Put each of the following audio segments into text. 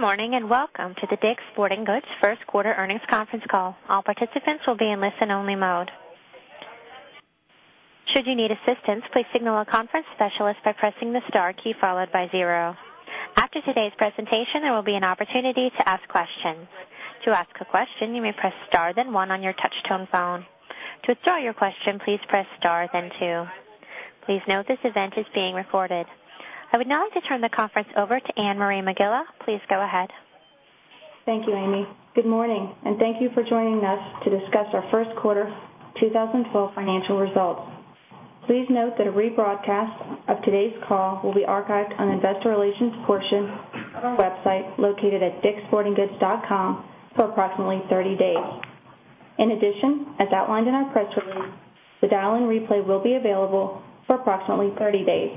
Good morning, welcome to the DICK'S Sporting Goods first quarter earnings conference call. All participants will be in listen-only mode. Should you need assistance, please signal a conference specialist by pressing the star key followed by zero. After today's presentation, there will be an opportunity to ask questions. To ask a question, you may press star then one on your touch tone phone. To withdraw your question, please press star then two. Please note this event is being recorded. I would now like to turn the conference over to Anne-Marie Megela. Please go ahead. Thank you, Amy. Good morning, thank you for joining us to discuss our first quarter 2012 financial results. Please note that a rebroadcast of today's call will be archived on the investor relations portion of our website, located at dickssportinggoods.com, for approximately 30 days. In addition, as outlined in our press release, the dial-in replay will be available for approximately 30 days.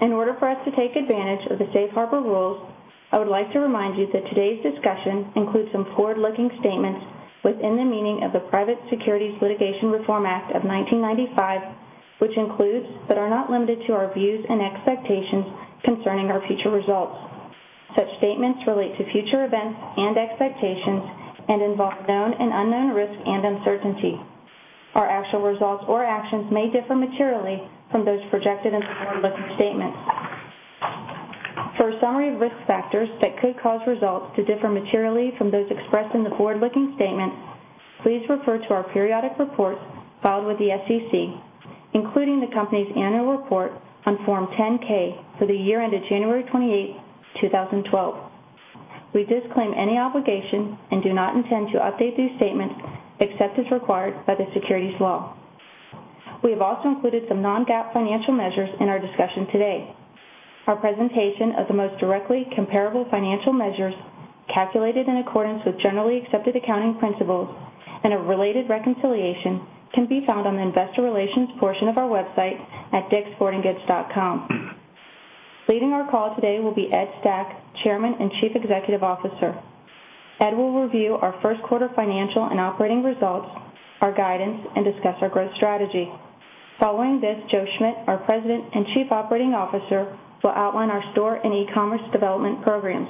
In order for us to take advantage of the Safe Harbor rules, I would like to remind you that today's discussion includes some forward-looking statements within the meaning of the Private Securities Litigation Reform Act of 1995, which includes, but are not limited to, our views and expectations concerning our future results. Such statements relate to future events and expectations and involve known and unknown risks and uncertainty. Our actual results or actions may differ materially from those projected in the forward-looking statements. For a summary of risk factors that could cause results to differ materially from those expressed in the forward-looking statement, please refer to our periodic reports filed with the SEC, including the company's annual report on Form 10-K for the year ended January 28, 2012. We disclaim any obligation and do not intend to update these statements except as required by the securities law. We have also included some non-GAAP financial measures in our discussion today. Our presentation of the most directly comparable financial measures calculated in accordance with generally accepted accounting principles and a related reconciliation can be found on the investor relations portion of our website at dickssportinggoods.com. Leading our call today will be Ed Stack, Chairman and Chief Executive Officer. Ed will review our first quarter financial and operating results, our guidance, and discuss our growth strategy. Following this, Joe Schmidt, our President and Chief Operating Officer, will outline our store and e-commerce development programs.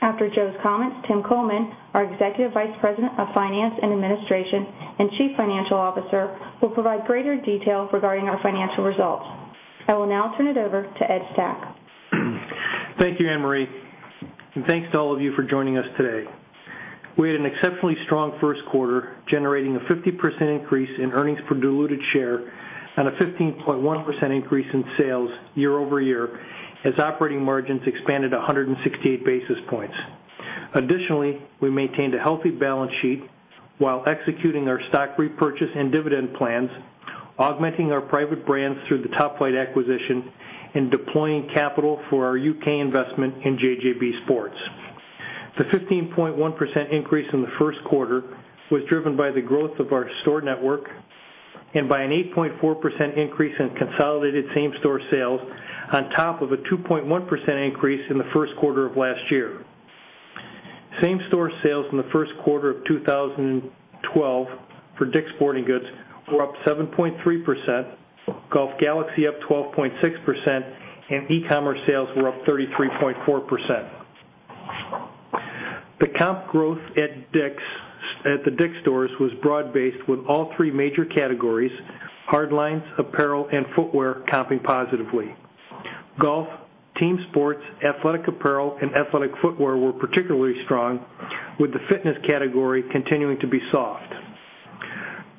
After Joe's comments, Tim Kullman, our Executive Vice President of Finance and Administration and Chief Financial Officer, will provide greater detail regarding our financial results. I will now turn it over to Ed Stack. Thank you, Anne-Marie, and thanks to all of you for joining us today. We had an exceptionally strong first quarter, generating a 50% increase in earnings per diluted share and a 15.1% increase in sales year-over-year as operating margins expanded 168 basis points. Additionally, we maintained a healthy balance sheet while executing our stock repurchase and dividend plans, augmenting our private brands through the Top-Flite acquisition and deploying capital for our U.K. investment in JJB Sports. The 15.1% increase in the first quarter was driven by the growth of our store network and by an 8.4% increase in consolidated same-store sales on top of a 2.1% increase in the first quarter of last year. Same-store sales in the first quarter of 2012 for DICK'S Sporting Goods were up 7.3%, Golf Galaxy up 12.6%, and e-commerce sales were up 33.4%. The comp growth at the DICK'S stores was broad-based, with all three major categories, hardlines, apparel, and footwear comping positively. Golf, team sports, athletic apparel, and athletic footwear were particularly strong, with the fitness category continuing to be soft.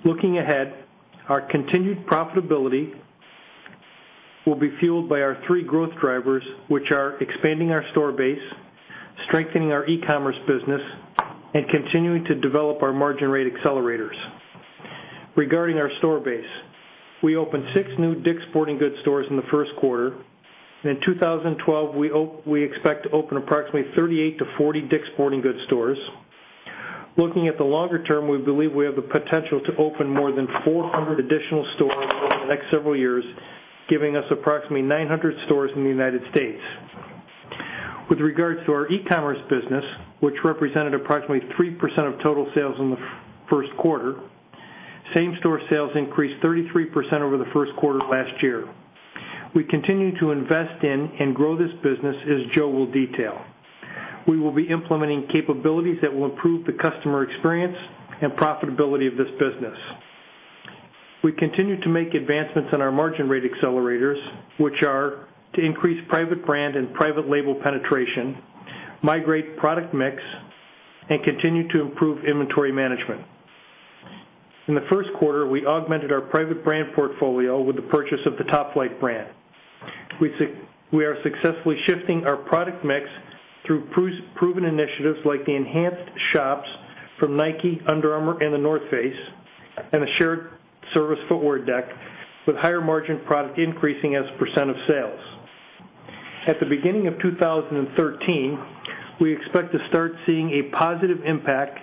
Looking ahead, our continued profitability will be fueled by our three growth drivers, which are expanding our store base, strengthening our e-commerce business, and continuing to develop our margin rate accelerators. Regarding our store base, we opened six new DICK'S Sporting Goods stores in the first quarter. In 2012, we expect to open approximately 38-40 DICK'S Sporting Goods stores. Looking at the longer term, we believe we have the potential to open more than 400 additional stores over the next several years, giving us approximately 900 stores in the United States. With regards to our e-commerce business, which represented approximately 3% of total sales in the first quarter, same-store sales increased 33% over the first quarter of last year. We continue to invest in and grow this business, as Joe will detail. We will be implementing capabilities that will improve the customer experience and profitability of this business. We continue to make advancements in our margin rate accelerators, which are to increase private brand and private label penetration, migrate product mix, and continue to improve inventory management. In the first quarter, we augmented our private brand portfolio with the purchase of the Top-Flite brand. We are successfully shifting our product mix through proven initiatives like the enhanced shops from Nike, Under Armour, and The North Face, and a shared service footwear deck with higher margin product increasing as a percent of sales. At the beginning of 2013, we expect to start seeing a positive impact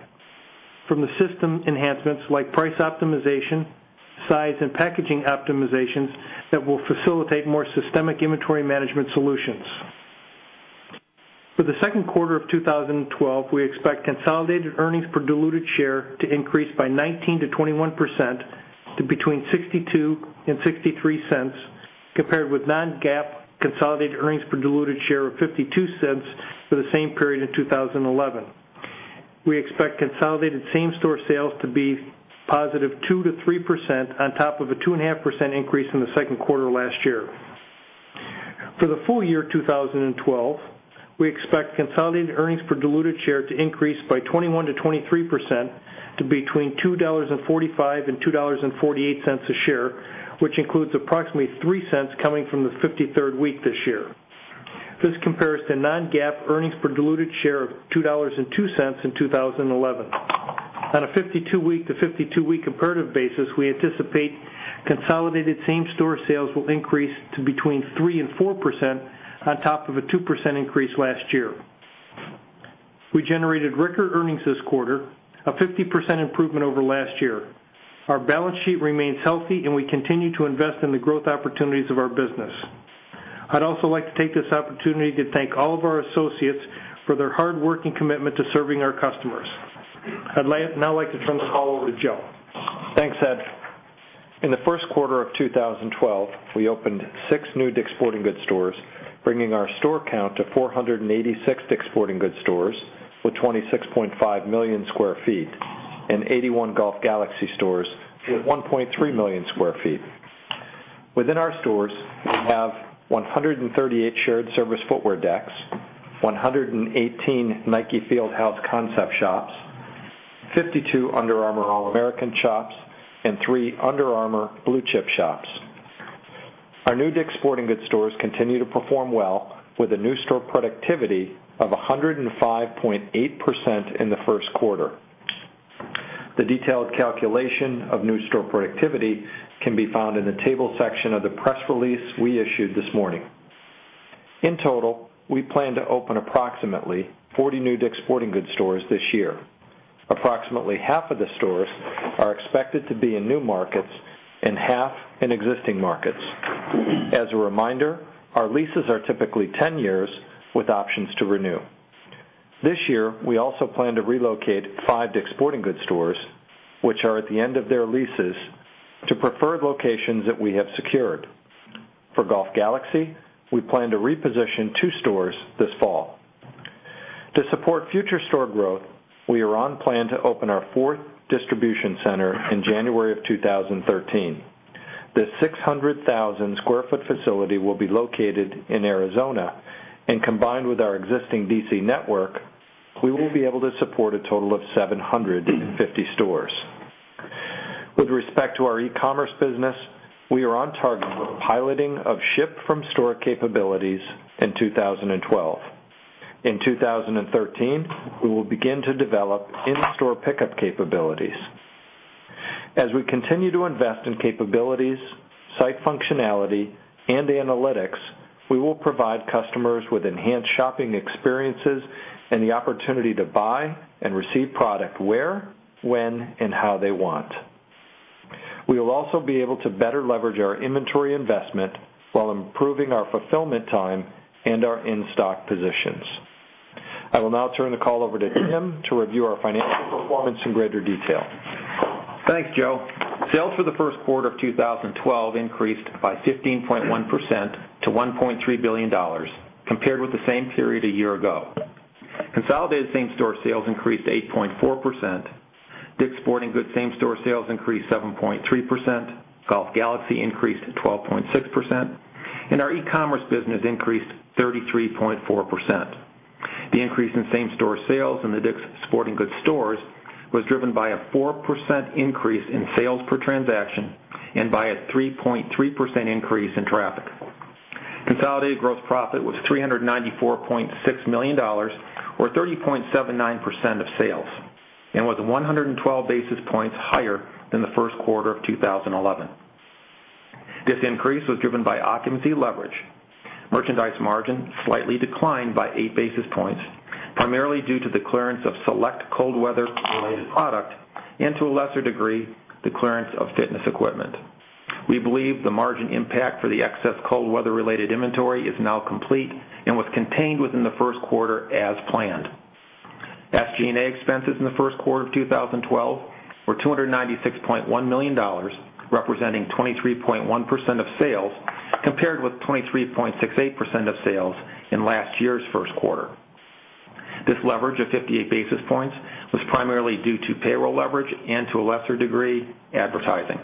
from the system enhancements like price optimization, size and packaging optimization that will facilitate more systemic inventory management solutions. For the second quarter of 2012, we expect consolidated earnings per diluted share to increase by 19%-21%, to between $0.62 and $0.63, compared with non-GAAP consolidated earnings per diluted share of $0.52 for the same period in 2011. We expect consolidated same-store sales to be positive 2%-3% on top of a 2.5% increase in the second quarter last year. For the full year 2012, we expect consolidated earnings per diluted share to increase by 21%-23%, to between $2.45 and $2.48 a share, which includes approximately $0.03 coming from the 53rd week this year. This compares to non-GAAP earnings per diluted share of $2.02 in 2011. On a 52-week to 52-week comparative basis, we anticipate consolidated same-store sales will increase to between 3% and 4% on top of a 2% increase last year. We generated record earnings this quarter, a 50% improvement over last year. Our balance sheet remains healthy. We continue to invest in the growth opportunities of our business. I'd also like to take this opportunity to thank all of our associates for their hard work and commitment to serving our customers. I'd now like to turn the call over to Joe. Thanks, Ed. In the first quarter of 2012, we opened six new DICK'S Sporting Goods stores, bringing our store count to 486 DICK'S Sporting Goods stores, with 26.5 million sq ft, and 81 Golf Galaxy stores with 1.3 million sq ft. Within our stores, we have 138 shared service footwear decks, 118 Nike Field House concept shops, 52 Under Armour All-American shops, and three Under Armour Blue Chip shops. Our new DICK'S Sporting Goods stores continue to perform well with a new store productivity of 105.8% in the first quarter. The detailed calculation of new store productivity can be found in the table section of the press release we issued this morning. We plan to open approximately 40 new DICK'S Sporting Goods stores this year. Approximately half of the stores are expected to be in new markets and half in existing markets. As a reminder, our leases are typically 10 years with options to renew. This year, we also plan to relocate five DICK'S Sporting Goods stores, which are at the end of their leases, to preferred locations that we have secured. For Golf Galaxy, we plan to reposition two stores this fall. To support future store growth, we are on plan to open our fourth distribution center in January of 2013. This 600,000 sq ft facility will be located in Arizona, and combined with our existing DC network, we will be able to support a total of 750 stores. With respect to our e-commerce business, we are on target with piloting of ship-from-store capabilities in 2012. In 2013, we will begin to develop in-store pickup capabilities. As we continue to invest in capabilities, site functionality, and analytics, we will provide customers with enhanced shopping experiences and the opportunity to buy and receive product where, when, and how they want. We will also be able to better leverage our inventory investment while improving our fulfillment time and our in-stock positions. I will now turn the call over to Tim to review our financial performance in greater detail. Thanks, Joe. Sales for the first quarter of 2012 increased by 15.1% to $1.3 billion compared with the same period a year ago. Consolidated same-store sales increased 8.4%. DICK'S Sporting Goods same-store sales increased 7.3%. Golf Galaxy increased 12.6%, and our e-commerce business increased 33.4%. The increase in same-store sales in the DICK'S Sporting Goods stores was driven by a 4% increase in sales per transaction and by a 3.3% increase in traffic. Consolidated gross profit was $394.6 million, or 30.79% of sales, and was 112 basis points higher than the first quarter of 2011. This increase was driven by occupancy leverage. Merchandise margin slightly declined by eight basis points, primarily due to the clearance of select cold weather-related product and, to a lesser degree, the clearance of fitness equipment. We believe the margin impact for the excess cold weather-related inventory is now complete and was contained within the first quarter as planned. SG&A expenses in the first quarter of 2012 were $296.1 million, representing 23.1% of sales, compared with 23.68% of sales in last year's first quarter. This leverage of 58 basis points was primarily due to payroll leverage and, to a lesser degree, advertising.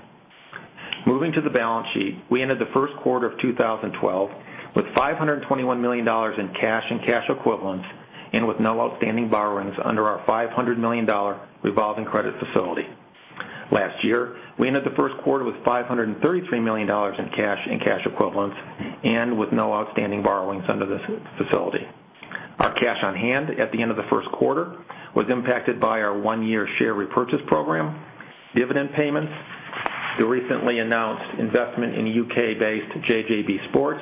Moving to the balance sheet, we ended the first quarter of 2012 with $521 million in cash and cash equivalents and with no outstanding borrowings under our $500 million revolving credit facility. Last year, we ended the first quarter with $533 million in cash and cash equivalents and with no outstanding borrowings under this facility. Our cash on hand at the end of the first quarter was impacted by our one-year share repurchase program, dividend payments, the recently announced investment in U.K.-based JJB Sports,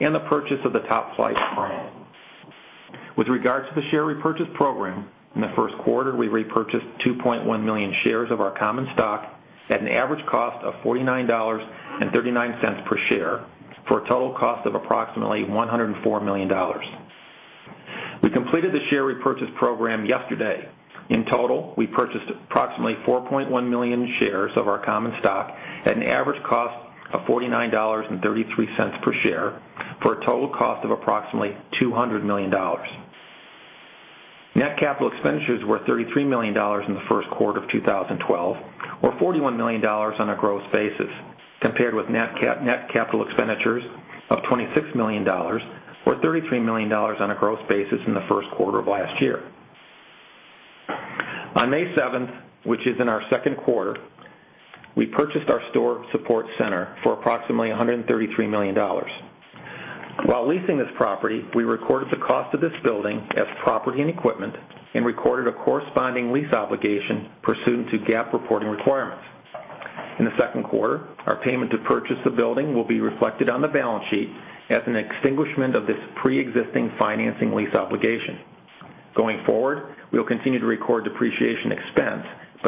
and the purchase of the Top-Flite brand. With regards to the share repurchase program, in the first quarter, we repurchased 2.1 million shares of our common stock at an average cost of $49.39 per share, for a total cost of approximately $104 million. We completed the share repurchase program yesterday. In total, we purchased approximately 4.1 million shares of our common stock at an average cost of $49.33 per share for a total cost of approximately $200 million. Net capital expenditures were $33 million in the first quarter of 2012, or $41 million on a growth basis, compared with net capital expenditures of $26 million or $33 million on a growth basis in the first quarter of last year. On May 7th, which is in our second quarter, we purchased our store support center for approximately $133 million. While leasing this property, we recorded the cost of this building as property and equipment and recorded a corresponding lease obligation pursuant to GAAP reporting requirements. In the second quarter, our payment to purchase the building will be reflected on the balance sheet as an extinguishment of this preexisting financing lease obligation.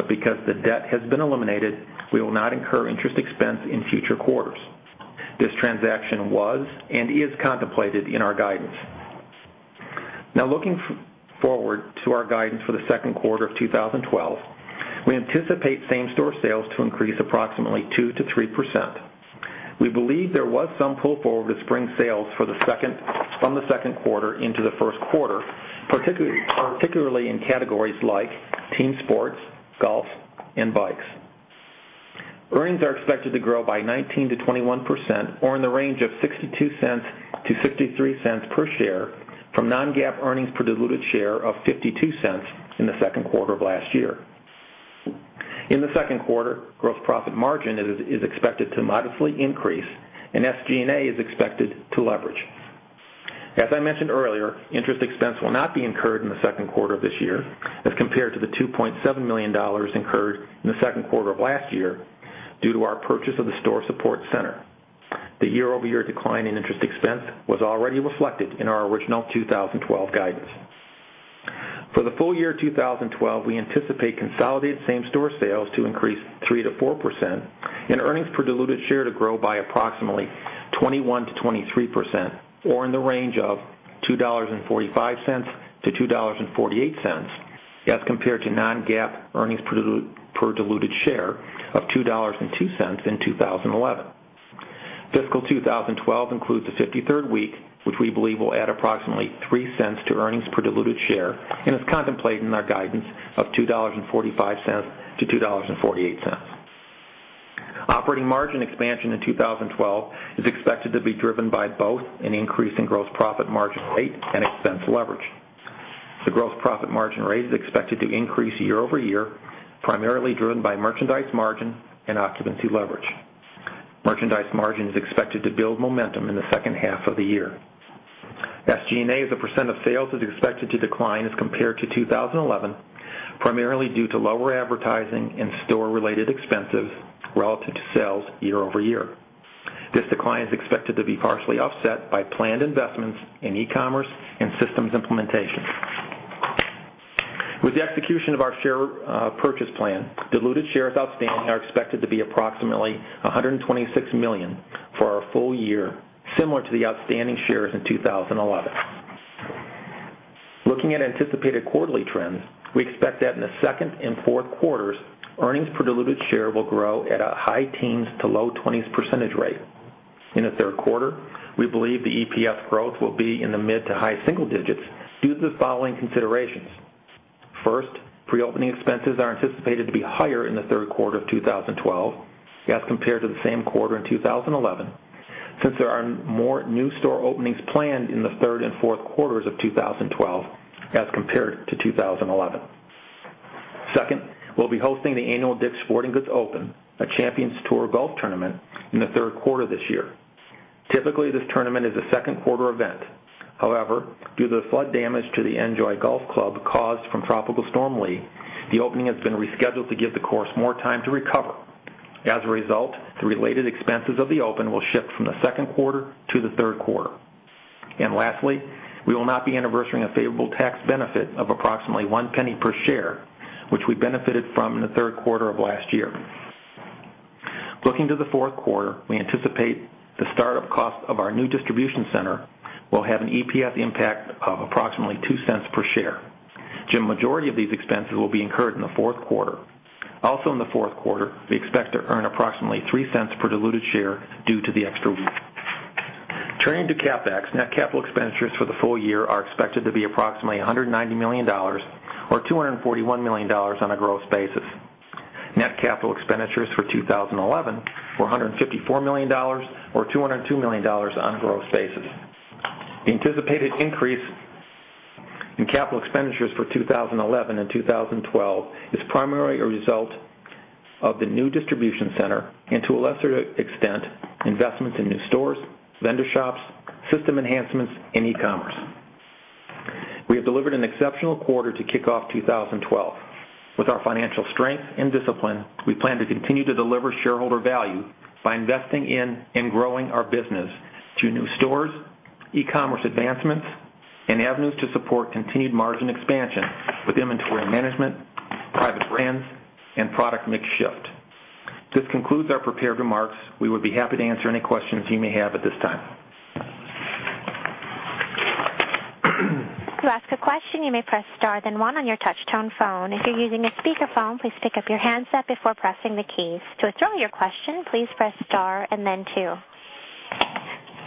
Because the debt has been eliminated, we will not incur interest expense in future quarters. This transaction was and is contemplated in our guidance. Looking forward to our guidance for the second quarter of 2012, we anticipate same-store sales to increase approximately 2%-3%. We believe there was some pull forward with spring sales from the second quarter into the first quarter, particularly in categories like team sports, golf, and bikes. Earnings are expected to grow by 19%-21%, or in the range of $0.62-$0.63 per share from non-GAAP earnings per diluted share of $0.52 in the second quarter of last year. In the second quarter, gross profit margin is expected to modestly increase, and SG&A is expected to leverage. As I mentioned earlier, interest expense will not be incurred in the second quarter of this year as compared to the $2.7 million incurred in the second quarter of last year due to our purchase of the store support center. The year-over-year decline in interest expense was already reflected in our original 2012 guidance. For the full year 2012, we anticipate consolidated same-store sales to increase 3%-4%, and earnings per diluted share to grow by approximately 21%-23%, or in the range of $2.45-$2.48 as compared to non-GAAP earnings per diluted share of $2.02 in 2011. Fiscal 2012 includes the 53rd week, which we believe will add approximately $0.03 to earnings per diluted share, and is contemplated in our guidance of $2.45-$2.48. Operating margin expansion in 2012 is expected to be driven by both an increase in gross profit margin rate and expense leverage. The gross profit margin rate is expected to increase year-over-year, primarily driven by merchandise margin and occupancy leverage. Merchandise margin is expected to build momentum in the second half of the year. SG&A, as a % of sales, is expected to decline as compared to 2011, primarily due to lower advertising and store-related expenses relative to sales year-over-year. This decline is expected to be partially offset by planned investments in e-commerce and systems implementation. With the execution of our share purchase plan, diluted shares outstanding are expected to be approximately 126 million for our full year, similar to the outstanding shares in 2011. Looking at anticipated quarterly trends, we expect that in the second and fourth quarters, earnings per diluted share will grow at a high teens to low 20s percentage rate. In the third quarter, we believe the EPS growth will be in the mid to high single digits due to the following considerations. First, pre-opening expenses are anticipated to be higher in the third quarter of 2012 as compared to the same quarter in 2011, since there are more new store openings planned in the third and fourth quarters of 2012 as compared to 2011. Second, we'll be hosting the annual DICK'S Sporting Goods Open, a Champions Tour golf tournament, in the third quarter this year. Typically, this tournament is a second quarter event. However, due to the flood damage to the En-Joie Golf Club caused from Tropical Storm Lee, the opening has been rescheduled to give the course more time to recover. As a result, the related expenses of the Open will shift from the second quarter to the third quarter. Lastly, we will not be anniversarying a favorable tax benefit of approximately $0.01 per share, which we benefited from in the third quarter of last year. Looking to the fourth quarter, we anticipate the start of cost of our new distribution center will have an EPS impact of approximately $0.02 per share. The majority of these expenses will be incurred in the fourth quarter. Also in the fourth quarter, we expect to earn approximately $0.03 per diluted share due to the extra week. Turning to CapEx, net capital expenditures for the full year are expected to be approximately $190 million or $241 million on a growth basis. Net capital expenditures for 2011 were $154 million or $202 million on a growth basis. The anticipated increase in capital expenditures for 2011 and 2012 is primarily a result of the new distribution center and, to a lesser extent, investments in new stores, vendor shops, system enhancements, and e-commerce. We have delivered an exceptional quarter to kick off 2012. With our financial strength and discipline, we plan to continue to deliver shareholder value by investing in and growing our business through new stores, e-commerce advancements. Avenues to support continued margin expansion with inventory management, private brands, and product mix shift. This concludes our prepared remarks. We would be happy to answer any questions you may have at this time. To ask a question, you may press star then one on your touch-tone phone. If you're using a speakerphone, please pick up your handset before pressing the keys. To withdraw your question, please press star and then two.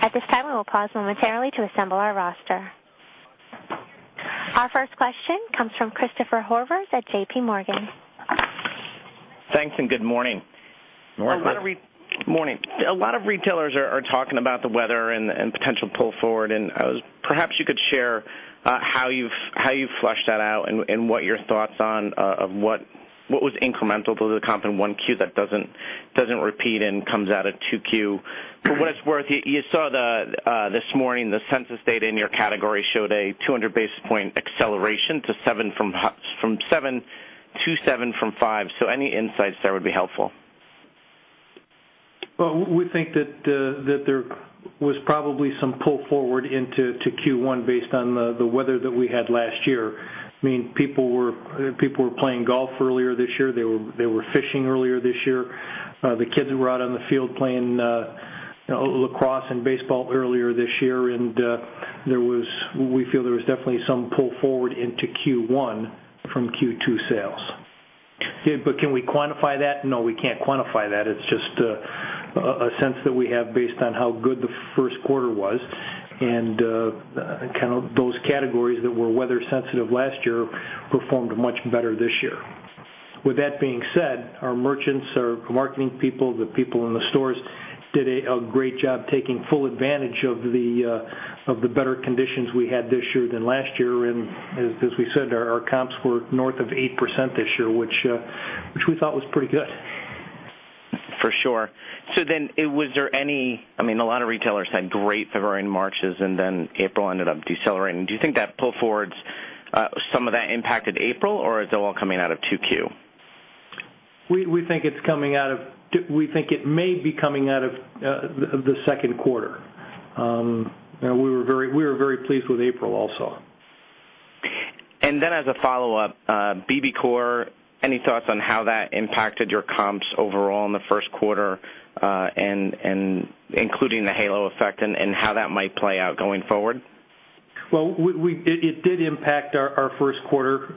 At this time, we will pause momentarily to assemble our roster. Our first question comes from Christopher Horvers at JPMorgan. Thanks. Good morning. Morning. Morning. A lot of retailers are talking about the weather and potential pull forward, perhaps you could share how you've flushed that out and what your thoughts on what was incremental to the comp in 1Q that doesn't repeat and comes out of 2Q. For what it's worth, you saw this morning the census data in your category showed a 200 basis point acceleration to seven from five, any insights there would be helpful. Well, we think that there was probably some pull forward into Q1 based on the weather that we had last year. People were playing golf earlier this year. They were fishing earlier this year. The kids were out on the field playing lacrosse and baseball earlier this year, we feel there was definitely some pull forward into Q1 from Q2 sales. Can we quantify that? No, we can't quantify that. It's just a sense that we have based on how good the first quarter was. Those categories that were weather sensitive last year performed much better this year. With that being said, our merchants, our marketing people, the people in the stores, did a great job taking full advantage of the better conditions we had this year than last year, as we said, our comps were north of 8% this year, which we thought was pretty good. For sure. A lot of retailers had great February and Marches, April ended up decelerating. Do you think that pull forwards, some of that impacted April, or is it all coming out of 2Q? We think it may be coming out of the second quarter. We were very pleased with April also. As a follow-up, BBCOR, any thoughts on how that impacted your comps overall in the first quarter, including the halo effect and how that might play out going forward? It did impact our first quarter.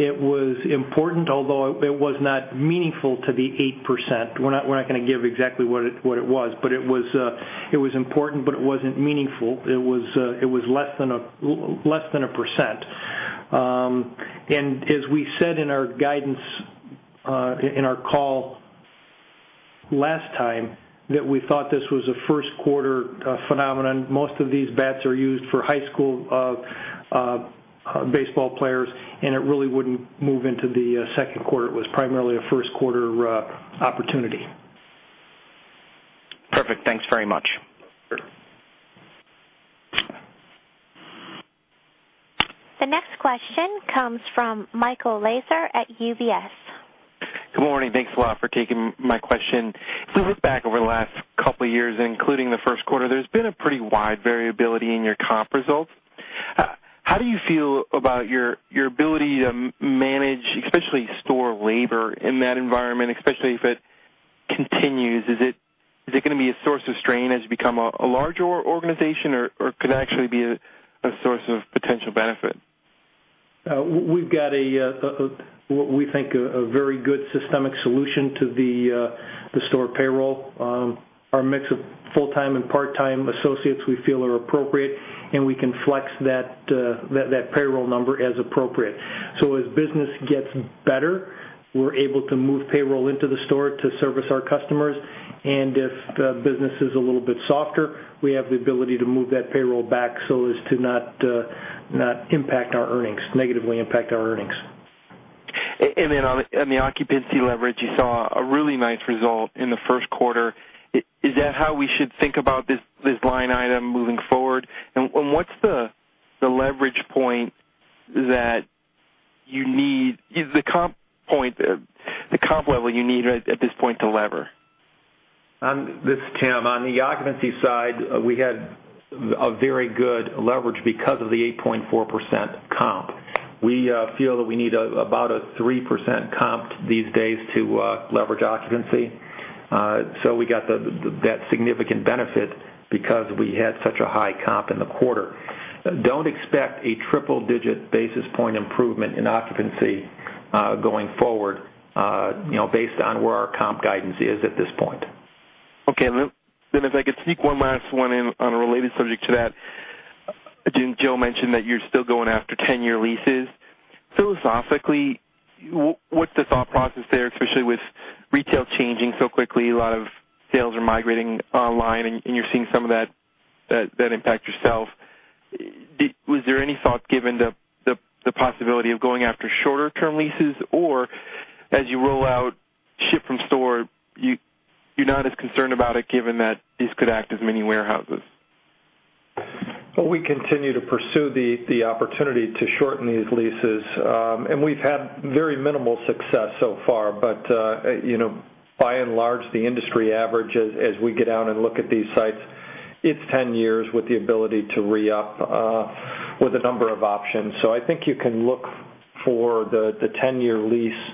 It was important, although it was not meaningful to the 8%. We are not going to give exactly what it was, but it was important, but it was not meaningful. It was less than 1%. As we said in our guidance in our call last time, that we thought this was a first quarter phenomenon. Most of these bats are used for high school baseball players, and it really would not move into the second quarter. It was primarily a first quarter opportunity. Perfect. Thanks very much. Sure. The next question comes from Michael Lasser at UBS. Good morning. Thanks a lot for taking my question. If we look back over the last couple of years, including the first quarter, there's been a pretty wide variability in your comp results. How do you feel about your ability to manage, especially store labor in that environment, especially if it continues? Is it going to be a source of strain as you become a larger organization, or could it actually be a source of potential benefit? We've got what we think a very good systemic solution to the store payroll. Our mix of full-time and part-time associates we feel are appropriate, and we can flex that payroll number as appropriate. As business gets better, we're able to move payroll into the store to service our customers, if the business is a little bit softer, we have the ability to move that payroll back so as to not negatively impact our earnings. On the occupancy leverage, you saw a really nice result in the first quarter. Is that how we should think about this line item moving forward? What's the leverage point that you need? Is the comp level you need right at this point to lever? This is Tim. On the occupancy side, we had a very good leverage because of the 8.4% comp. We feel that we need about a 3% comp these days to leverage occupancy. We got that significant benefit because we had such a high comp in the quarter. Don't expect a triple digit basis point improvement in occupancy going forward based on where our comp guidance is at this point. Okay. If I could sneak one last one in on a related subject to that. I think Joe mentioned that you're still going after 10-year leases. Philosophically, what's the thought process there, especially with retail changing so quickly, a lot of sales are migrating online, and you're seeing some of that impact yourself. Was there any thought given to the possibility of going after shorter term leases? Or as you roll out ship-from-store, you're not as concerned about it given that these could act as mini warehouses? Well, we continue to pursue the opportunity to shorten these leases, and we've had very minimal success so far. By and large, the industry average, as we get out and look at these sites. It's 10 years with the ability to re-up with a number of options. I think you can look for the 10-year lease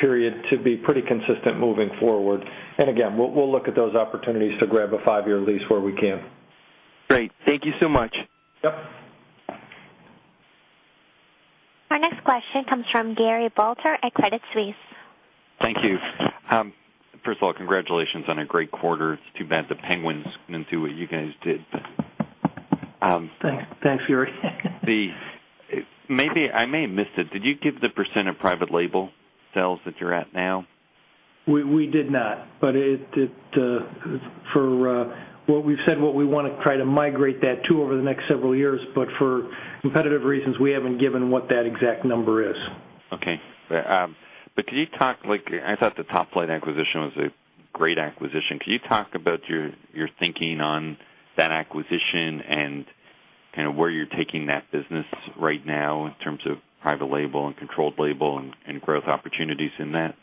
period to be pretty consistent moving forward. Again, we'll look at those opportunities to grab a five-year lease where we can. Great. Thank you so much. Yep. Our next question comes from Gary Balter at Credit Suisse. Thank you. First of all, congratulations on a great quarter. It is too bad the Penguins couldn't do what you guys did. Thanks. Thanks, Gary. I may have missed it. Did you give the % of private label sales that you are at now? We did not, but we've said what we want to try to migrate that to over the next several years. For competitive reasons, we haven't given what that exact number is. Okay. Could you talk, I thought the Top-Flite acquisition was a great acquisition. Could you talk about your thinking on that acquisition and where you're taking that business right now in terms of private label and controlled label and growth opportunities in that?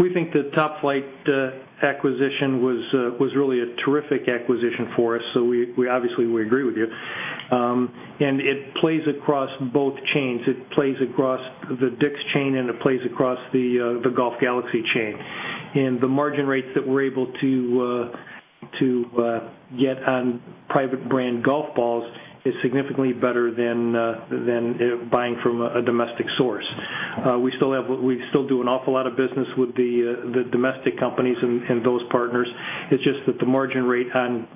We think the Top-Flite acquisition was really a terrific acquisition for us, so obviously, we agree with you. It plays across both chains. It plays across the DICK'S chain, and it plays across the Golf Galaxy chain. The margin rates that we're able to get on private brand golf balls is significantly better than buying from a domestic source. We still do an awful lot of business with the domestic companies and those partners. It's just that the margin rate on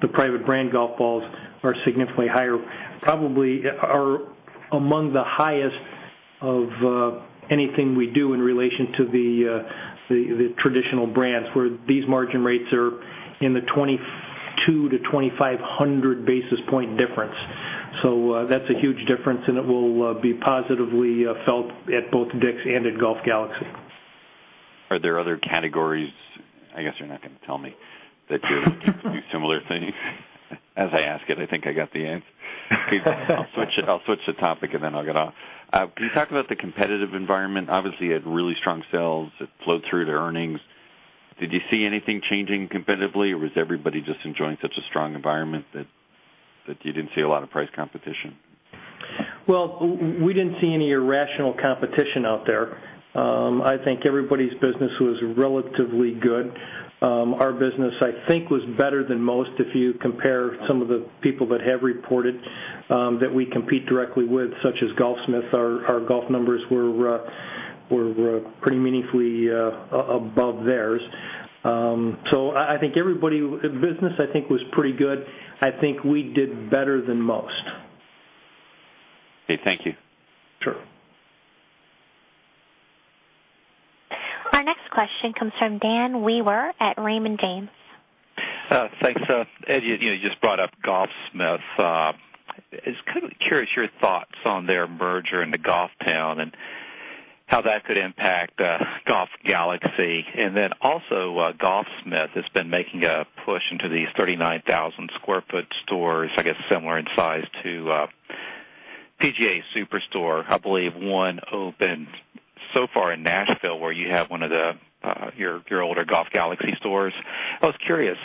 the private brand golf balls are significantly higher, probably are among the highest of anything we do in relation to the traditional brands, where these margin rates are in the 2,200-2,500 basis point difference. That's a huge difference, and it will be positively felt at both DICK'S and at Golf Galaxy. Are there other categories, I guess you're not going to tell me, that you'll do similar things? As I ask it, I think I got the answer. Okay. I'll switch the topic, and then I'll get off. Could you talk about the competitive environment? Obviously, you had really strong sales that flowed through to earnings. Did you see anything changing competitively, or was everybody just enjoying such a strong environment that you didn't see a lot of price competition? Well, we didn't see any irrational competition out there. I think everybody's business was relatively good. Our business, I think, was better than most, if you compare some of the people that have reported that we compete directly with, such as Golfsmith. Our golf numbers were pretty meaningfully above theirs. I think business was pretty good. I think we did better than most. Okay. Thank you. Sure. Our next question comes from Dan Wewer at Raymond James. Thanks. Ed, you just brought up Golfsmith. Just curious your thoughts on their merger into Golf Town and how that could impact Golf Galaxy. Golfsmith has been making a push into these 39,000 sq ft stores, I guess similar in size to PGA Superstore. I believe one opened so far in Nashville, where you have one of your older Golf Galaxy stores. I was curious,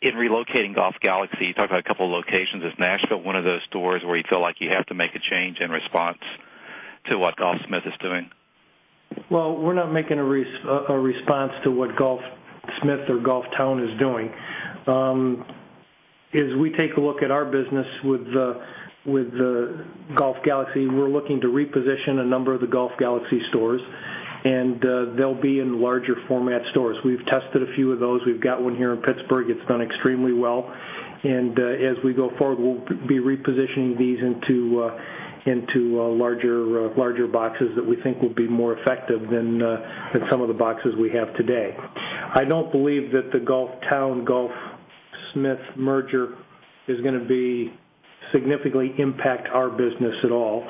in relocating Golf Galaxy, you talked about a couple locations. Is Nashville one of those stores where you feel like you have to make a change in response to what Golfsmith is doing? Well, we're not making a response to what Golfsmith or Golf Town is doing. As we take a look at our business with Golf Galaxy, we're looking to reposition a number of the Golf Galaxy stores, and they'll be in larger format stores. We've tested a few of those. We've got one here in Pittsburgh. It's done extremely well. As we go forward, we'll be repositioning these into larger boxes that we think will be more effective than some of the boxes we have today. I don't believe that the Golf Town, Golfsmith merger is going to significantly impact our business at all.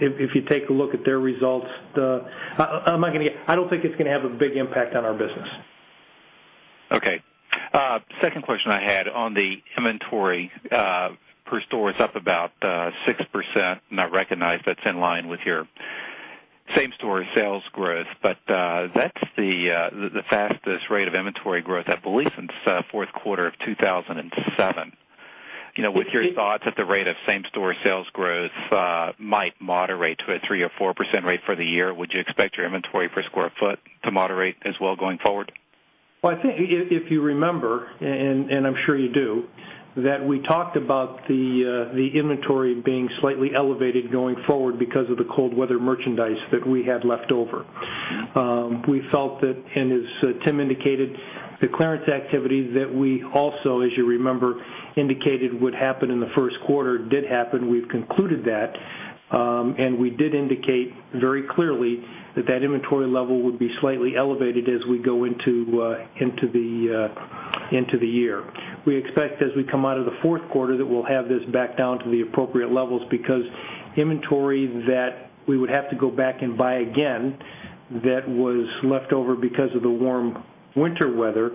If you take a look at their results, I don't think it's going to have a big impact on our business. Okay. Second question I had on the inventory per store is up about 6%, and I recognize that's in line with your same store sales growth. That's the fastest rate of inventory growth, I believe, since fourth quarter of 2007. With your thoughts at the rate of same store sales growth might moderate to a 3% or 4% rate for the year, would you expect your inventory per square foot to moderate as well going forward? Well, I think if you remember, I'm sure you do, that we talked about the inventory being slightly elevated going forward because of the cold weather merchandise that we had left over. We felt that, as Tim indicated, the clearance activity that we also, as you remember, indicated would happen in the first quarter did happen. We've concluded that, we did indicate very clearly that that inventory level would be slightly elevated as we go into the year. We expect as we come out of the fourth quarter, that we'll have this back down to the appropriate levels because inventory that we would have to go back and buy again that was left over because of the warm winter weather,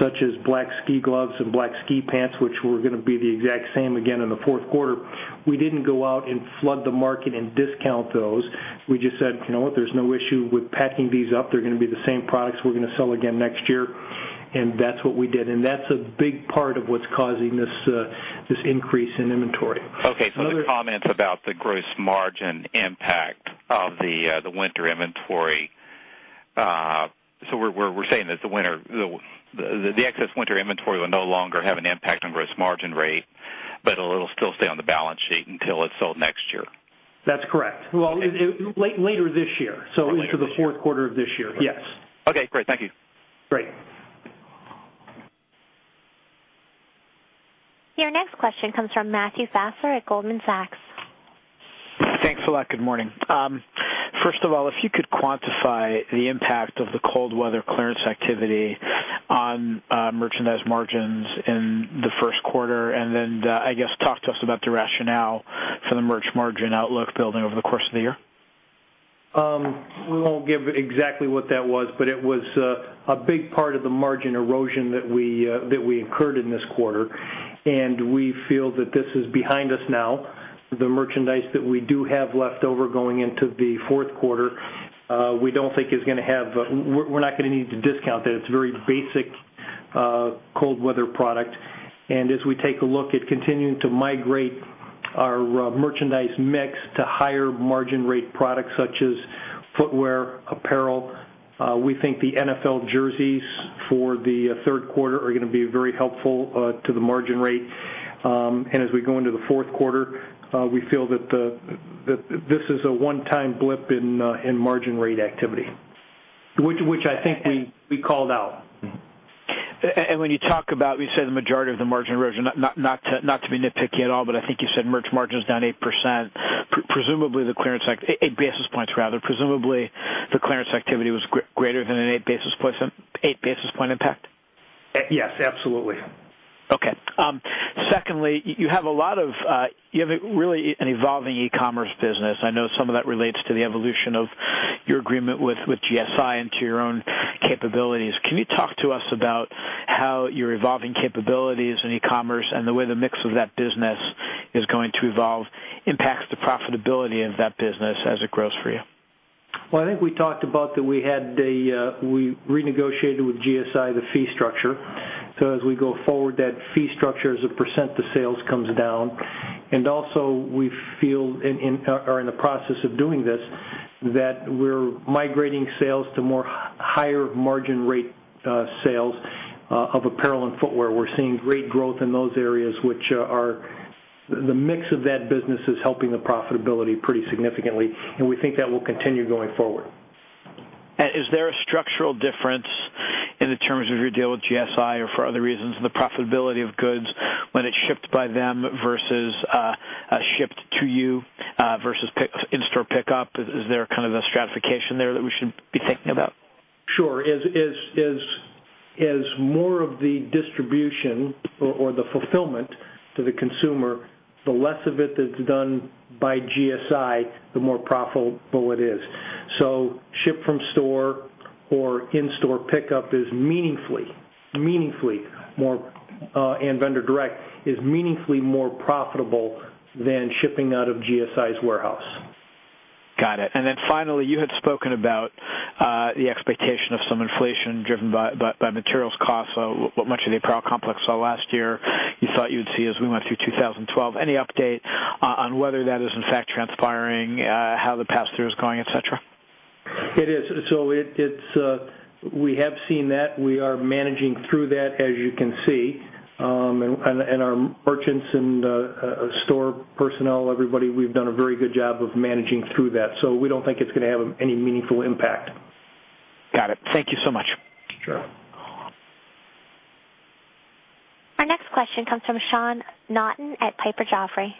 such as black ski gloves and black ski pants, which were going to be the exact same again in the fourth quarter. We didn't go out and flood the market and discount those. We just said, "You know what? There's no issue with packing these up. They're going to be the same products we're going to sell again next year." That's what we did. That's a big part of what's causing this increase in inventory. Okay. The comments about the gross margin impact of the winter inventory. We're saying that the excess winter inventory will no longer have an impact on gross margin rate, but it'll still stay on the balance sheet until it's sold next year. That's correct. Well, later this year. Later this year. Into the fourth quarter of this year. Yes. Okay, great. Thank you. Great. Your next question comes from Matthew Fassler at Goldman Sachs. Thanks a lot. Good morning. First of all, if you could quantify the impact of the cold weather clearance activity on merchandise margins in the first quarter, then, I guess, talk to us about the rationale for the merch margin outlook building over the course of the year. We won't give exactly what that was, but it was a big part of the margin erosion that we incurred in this quarter. We feel that this is behind us now. The merchandise that we do have left over going into the fourth quarter, we're not going to need to discount that. It's very basic cold weather product. As we take a look at continuing to migrate our merchandise mix to higher margin rate products such as footwear, apparel, we think the NFL jerseys for the third quarter are going to be very helpful to the margin rate. As we go into the fourth quarter, we feel that this is a one-time blip in margin rate activity, which I think we called out. When you talk about, you say the majority of the margin erosion. Not to be nitpicky at all, but I think you said merch margin is down 8%. Eight basis points rather. Presumably, the clearance activity was greater than an eight basis point impact. Yes, absolutely. Okay. Secondly, you have really an evolving e-commerce business. I know some of that relates to the evolution of your agreement with GSI into your own capabilities. Can you talk to us about how your evolving capabilities in e-commerce and the way the mix of that business is going to evolve impacts the profitability of that business as it grows for you? Well, I think we talked about that we renegotiated with GSI, the fee structure. As we go forward, that fee structure, as a % to sales, comes down. Also, we feel, and are in the process of doing this, that we're migrating sales to more higher margin rate sales of apparel and footwear. We're seeing great growth in those areas, which the mix of that business is helping the profitability pretty significantly, and we think that will continue going forward. Is there a structural difference in the terms of your deal with GSI or for other reasons, the profitability of goods when it's shipped by them versus shipped to you versus in-store pickup? Is there a stratification there that we should be thinking about? Sure. As more of the distribution or the fulfillment to the consumer, the less of it that's done by GSI, the more profitable it is. ship-from-store or in-store pickup and vendor direct, is meaningfully more profitable than shipping out of GSI's warehouse. Got it. Then finally, you had spoken about the expectation of some inflation driven by materials costs. What much of the apparel complex saw last year, you thought you would see as we went through 2012. Any update on whether that is in fact transpiring, how the pass-through is going, et cetera? It is. We have seen that. We are managing through that, as you can see. Our merchants and store personnel, everybody, we've done a very good job of managing through that. We don't think it's going to have any meaningful impact. Got it. Thank you so much. Sure. Our next question comes from Sean Naughton at Piper Jaffray. Hi.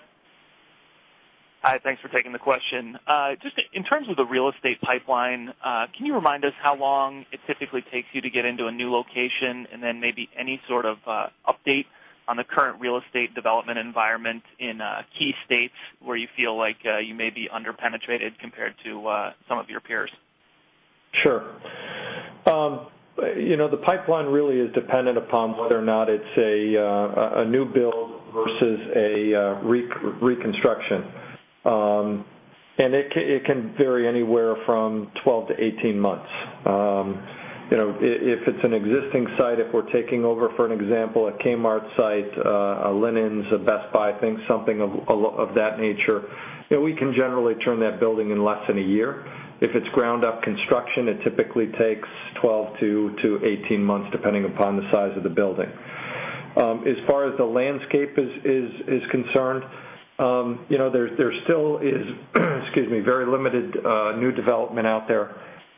Thanks for taking the question. Just in terms of the real estate pipeline, can you remind us how long it typically takes you to get into a new location and then maybe any sort of update on the current real estate development environment in key states where you feel like you may be under-penetrated compared to some of your peers? Sure. The pipeline really is dependent upon whether or not it's a new build versus a reconstruction. It can vary anywhere from 12 to 18 months. If it's an existing site, if we're taking over, for an example, a Kmart site, a Linens, a Best Buy, I think something of that nature, we can generally turn that building in less than a year. If it's ground-up construction, it typically takes 12 to 18 months, depending upon the size of the building. As far as the landscape is concerned, there still is very limited new development out there.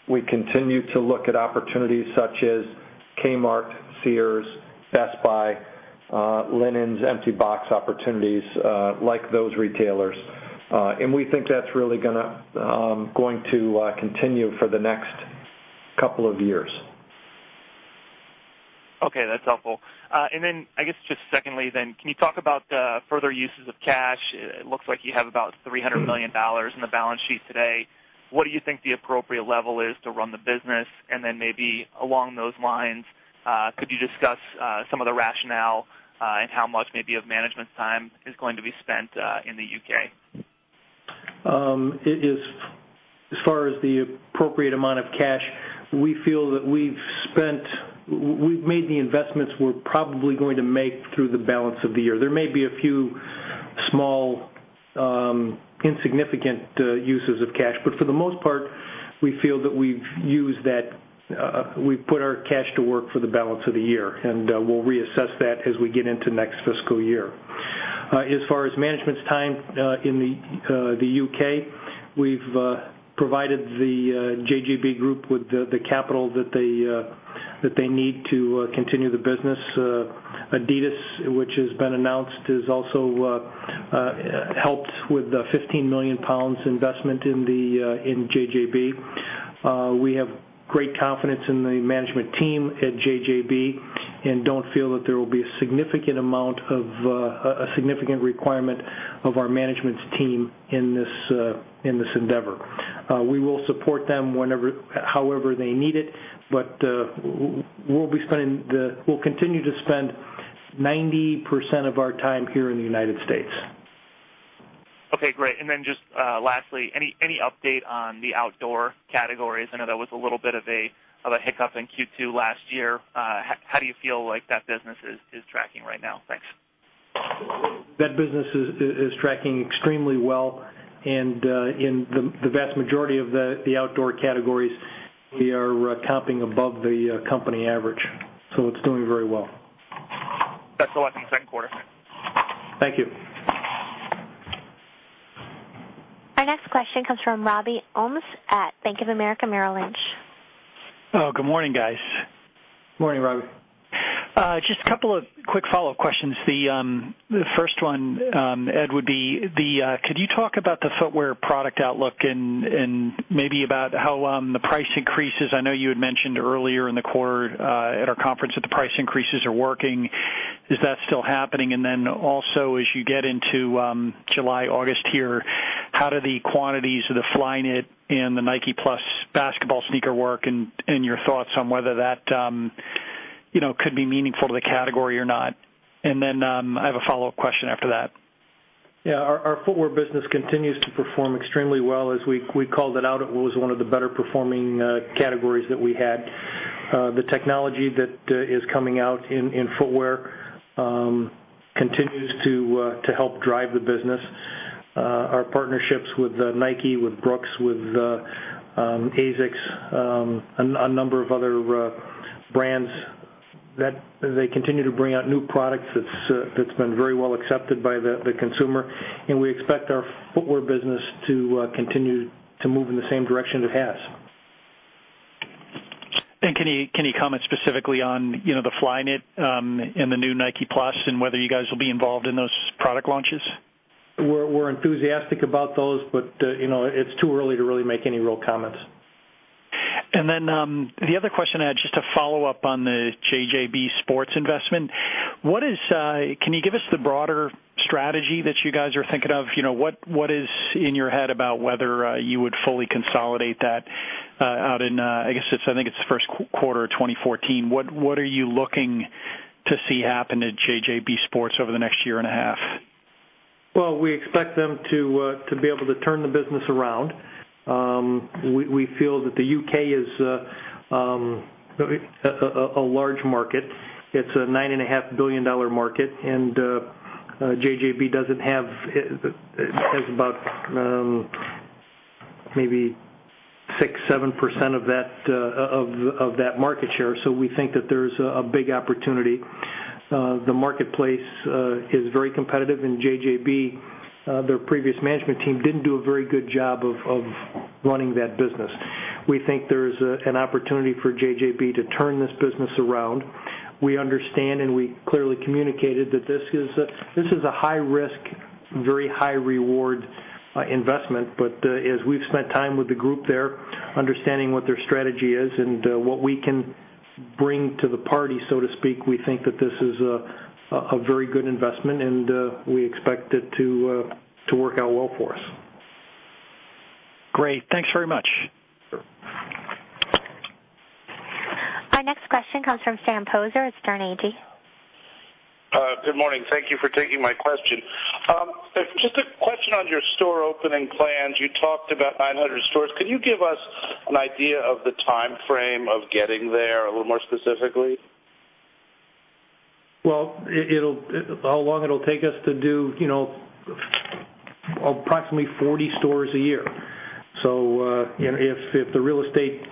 We continue to look at opportunities such as Kmart, Sears, Best Buy, Linens, empty box opportunities like those retailers. We think that's really going to continue for the next couple of years. Okay, that's helpful. I guess just secondly, can you talk about further uses of cash? It looks like you have about $300 million in the balance sheet today. What do you think the appropriate level is to run the business? Maybe along those lines, could you discuss some of the rationale, and how much maybe of management's time is going to be spent in the U.K.? As far as the appropriate amount of cash, we feel that we've made the investments we're probably going to make through the balance of the year. There may be a few small, insignificant uses of cash. For the most part, we feel that we've put our cash to work for the balance of the year. We'll reassess that as we get into next fiscal year. As far as management's time in the U.K., we've provided the JJB group with the capital that they need to continue the business. Adidas, which has been announced, has also helped with the 15 million pounds investment in JJB. We have great confidence in the management team at JJB and don't feel that there will be a significant requirement of our management's team in this endeavor. We will support them however they need it. We'll continue to spend 90% of our time here in the United States. Okay, great. Just lastly, any update on the outdoor categories? I know that was a little bit of a hiccup in Q2 last year. How do you feel like that business is tracking right now? Thanks. That business is tracking extremely well. In the vast majority of the outdoor categories, we are comping above the company average, it's doing very well. That's the last in second quarter. Thank you. Our next question comes from Robert Ohmes at Bank of America Merrill Lynch. Good morning, guys. Morning, Robbie. Just a couple of quick follow-up questions. The first one, Ed, would be, could you talk about the footwear product outlook and maybe about how the price increases, I know you had mentioned earlier in the quarter at our conference that the price increases are working. Is that still happening? Also, as you get into July, August here, how do the quantities of the Flyknit and the Nike+ Basketball sneaker work and your thoughts on whether that could be meaningful to the category or not. I have a follow-up question after that. Yeah. Our footwear business continues to perform extremely well. As we called it out, it was one of the better-performing categories that we had. The technology that is coming out in footwear continues to help drive the business. Our partnerships with Nike, with Brooks, with ASICS, a number of other brands, they continue to bring out new products that's been very well accepted by the consumer. We expect our footwear business to continue to move in the same direction it has. Can you comment specifically on the Flyknit, and the new Nike+, and whether you guys will be involved in those product launches? We're enthusiastic about those. It's too early to really make any real comments. The other question, Ed, just to follow up on the JJB Sports investment. Can you give us the broader strategy that you guys are thinking of? What is in your head about whether you would fully consolidate that out in, I guess, I think it's the first quarter of 2014. What are you looking to see happen at JJB Sports over the next year and a half? We expect them to be able to turn the business around. We feel that the U.K. is a large market. It's a $9.5 billion market, and JJB has about maybe 6%, 7% of that market share. We think that there's a big opportunity. The marketplace is very competitive, and JJB, their previous management team didn't do a very good job of running that business. We think there's an opportunity for JJB to turn this business around. We understand and we clearly communicated that this is a high-risk, very high-reward investment. As we've spent time with the group there, understanding what their strategy is and what we can bring to the party, so to speak, we think that this is a very good investment, and we expect it to work out well for us. Great. Thanks very much. Sure. Our next question comes from Sam Poser at Sterne Agee. Good morning. Thank you for taking my question. Just a question on your store opening plans. You talked about 900 stores. Can you give us an idea of the timeframe of getting there a little more specifically? Well, how long it'll take us to do approximately 40 stores a year. If the real estate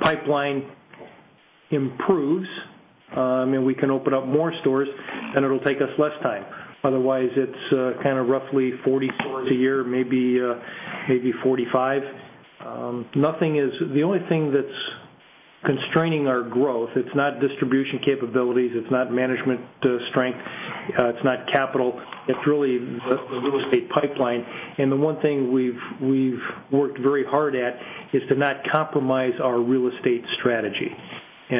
pipeline improves, and we can open up more stores, then it'll take us less time. Otherwise, it's kind of roughly 40 stores a year, maybe 45. The only thing that's constraining our It's not distribution capabilities, it's not management strength, it's not capital, it's really the real estate pipeline. The one thing we've worked very hard at is to not compromise our real estate strategy. We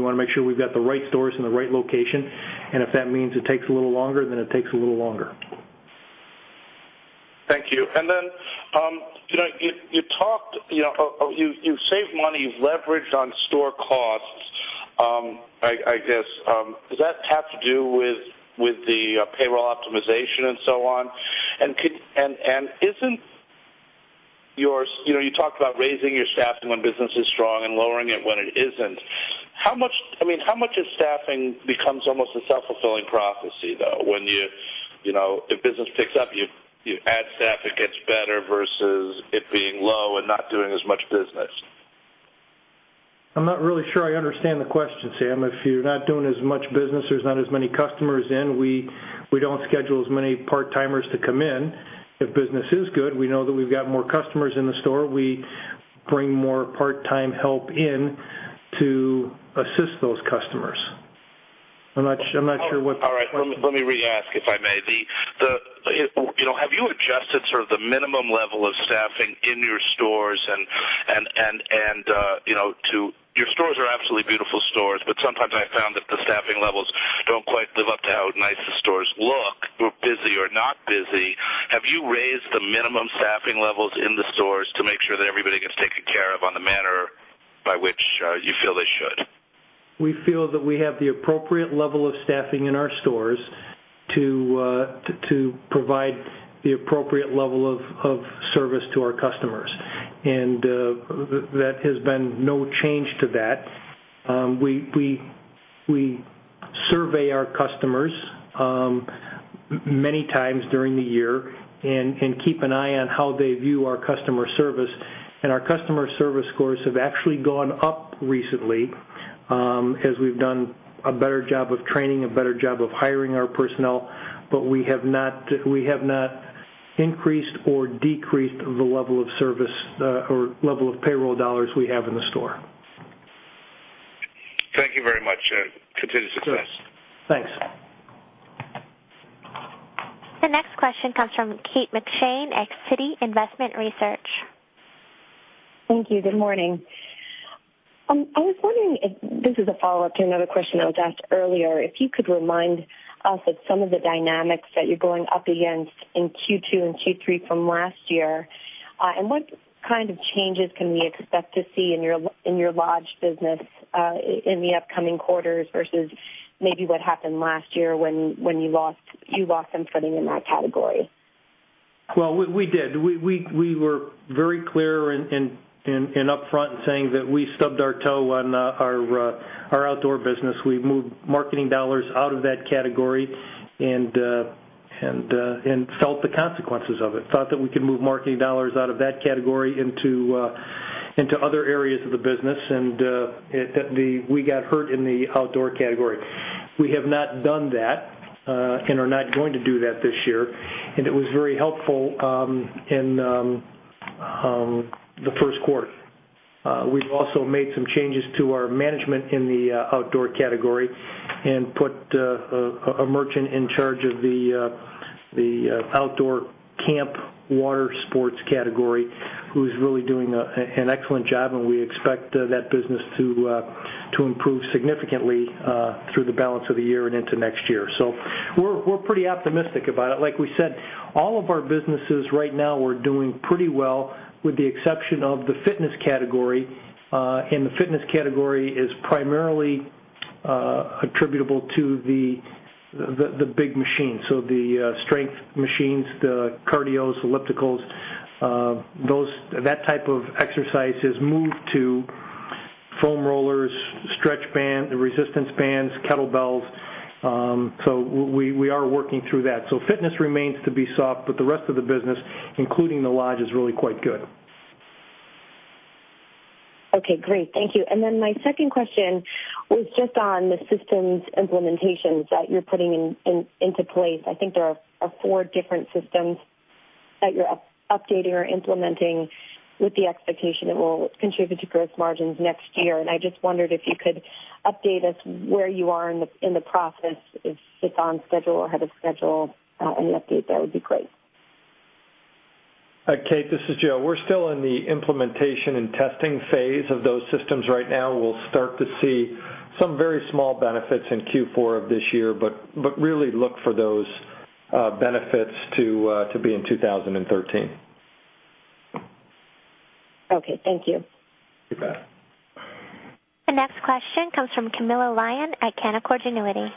want to make sure we've got the right stores in the right location, and if that means it takes a little longer, then it takes a little longer. Thank you. You saved money, you've leveraged on store costs, I guess. Does that have to do with the payroll optimization and so on? You talked about raising your staffing when business is strong and lowering it when it isn't. How much of staffing becomes almost a self-fulfilling prophecy, though? If business picks up, you add staff, it gets better, versus it being low and not doing as much business. I'm not really sure I understand the question, Sam. If you're not doing as much business, there's not as many customers in. We don't schedule as many part-timers to come in. If business is good, we know that we've got more customers in the store, we bring more part-time help in to assist those customers. All right. Let me re-ask, if I may. Have you adjusted sort of the minimum level of staffing in your stores? Your stores are absolutely beautiful stores, but sometimes I found that the staffing levels don't quite live up to how nice the stores look. We're busy or not busy. Have you raised the minimum staffing levels in the stores to make sure that everybody gets taken care of on the manner by which you feel they should? We feel that we have the appropriate level of staffing in our stores to provide the appropriate level of service to our customers, and that has been no change to that. We survey our customers, many times during the year and keep an eye on how they view our customer service. Our customer service scores have actually gone up recently, as we've done a better job of training, a better job of hiring our personnel. We have not increased or decreased the level of service or level of payroll dollars we have in the store. Thank you very much. Continued success. Thanks. The next question comes from Kate McShane at Citi Investment Research. Thank you. Good morning. I was wondering if, this is a follow-up to another question that was asked earlier, you could remind us of some of the dynamics that you're going up against in Q2 and Q3 from last year. What kind of changes can we expect to see in your lodge business, in the upcoming quarters versus maybe what happened last year when you lost some footing in that category? Well, we did. We were very clear and upfront in saying that we stubbed our toe on our outdoor business. We moved marketing dollars out of that category and felt the consequences of it. We thought that we could move marketing dollars out of that category into other areas of the business, and we got hurt in the outdoor category. We have not done that, and are not going to do that this year, and it was very helpful in the first quarter. We've also made some changes to our management in the outdoor category and put a merchant in charge of the outdoor camp water sports category, who's really doing an excellent job, and we expect that business to improve significantly, through the balance of the year and into next year. We're pretty optimistic about it. Like we said, all of our businesses right now are doing pretty well, with the exception of the fitness category. The fitness category is primarily attributable to the big machines. The strength machines, the cardios, ellipticals, that type of exercise has moved to foam rollers, stretch band, resistance bands, kettlebells. We are working through that. Fitness remains to be soft, but the rest of the business, including the lodge, is really quite good. Okay, great. Thank you. My second question was just on the systems implementations that you're putting into place. I think there are four different systems that you're updating or implementing with the expectation it will contribute to gross margins next year. I just wondered if you could update us where you are in the process. If it's on schedule or ahead of schedule, any update there would be great. Kate, this is Joe. We're still in the implementation and testing phase of those systems right now. We'll start to see some very small benefits in Q4 of this year, but really look for those benefits to be in 2013. Okay. Thank you. You bet. The next question comes from Camilo Lyon at Canaccord Genuity.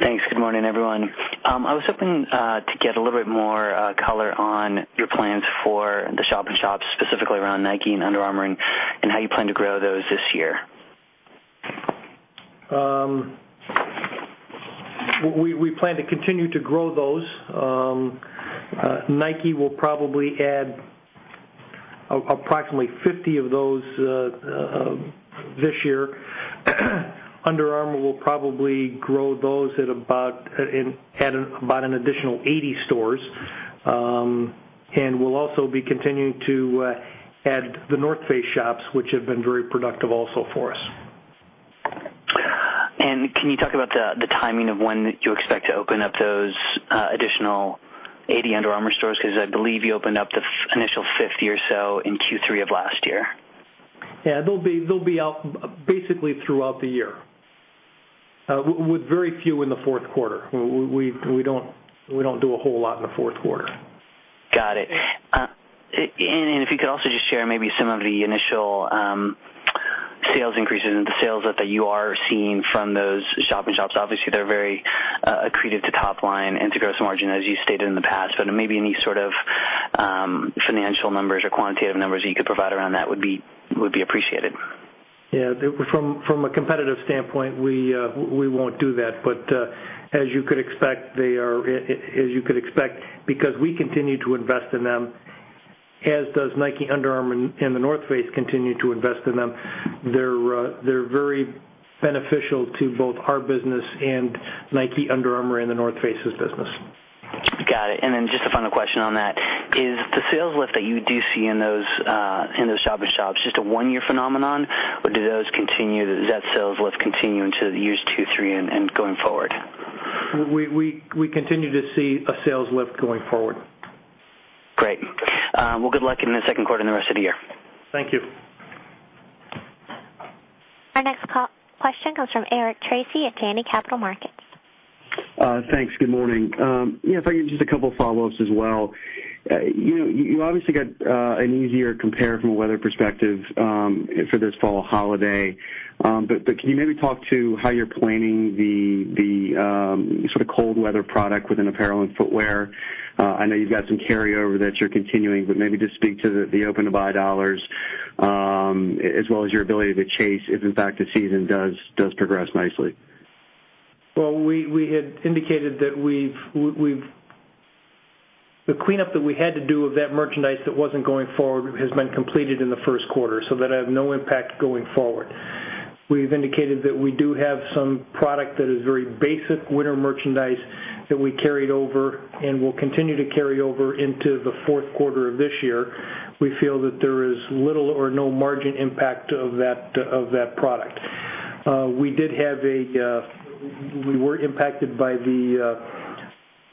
Thanks. Good morning, everyone. I was hoping to get a little bit more color on your plans for the shop-in-shops, specifically around Nike and Under Armour, how you plan to grow those this year. We plan to continue to grow those. Nike will probably add approximately 50 of those this year, Under Armour will probably grow those at about an additional 80 stores. We'll also be continuing to add The North Face shops, which have been very productive also for us. Can you talk about the timing of when you expect to open up those additional 80 Under Armour stores? I believe you opened up the initial 50 or so in Q3 of last year. Yeah. They'll be out basically throughout the year. With very few in the fourth quarter. We don't do a whole lot in the fourth quarter. Got it. If you could also just share maybe some of the initial sales increases and the sales that you are seeing from those shop-in-shops. Obviously, they're very accretive to top line and to gross margin, as you stated in the past. Maybe any sort of financial numbers or quantitative numbers that you could provide around that would be appreciated. Yeah. From a competitive standpoint, we won't do that, but as you could expect, because we continue to invest in them, as does Nike, Under Armour, and The North Face continue to invest in them, they're very beneficial to both our business and Nike, Under Armour, and The North Face's business. Got it. Then just a final question on that, is the sales lift that you do see in those shop-in-shops just a one-year phenomenon, or does that sales lift continue into years two, three, and going forward? We continue to see a sales lift going forward. Great. Good luck in the second quarter and the rest of the year. Thank you. Our next question comes from Eric Tracy at Janney Capital Markets. Thanks. Good morning. If I could, just a couple follows as well. You obviously got an easier compare from a weather perspective for this fall holiday. Can you maybe talk to how you're planning the sort of cold weather product within apparel and footwear? I know you've got some carryover that you're continuing, but maybe just speak to the open-to-buy dollars, as well as your ability to chase if in fact the season does progress nicely. Well, we had indicated that the cleanup that we had to do of that merchandise that wasn't going forward has been completed in the first quarter, that has no impact going forward. We've indicated that we do have some product that is very basic winter merchandise that we carried over and will continue to carry over into the fourth quarter of this year. We feel that there is little or no margin impact of that product. We were impacted by the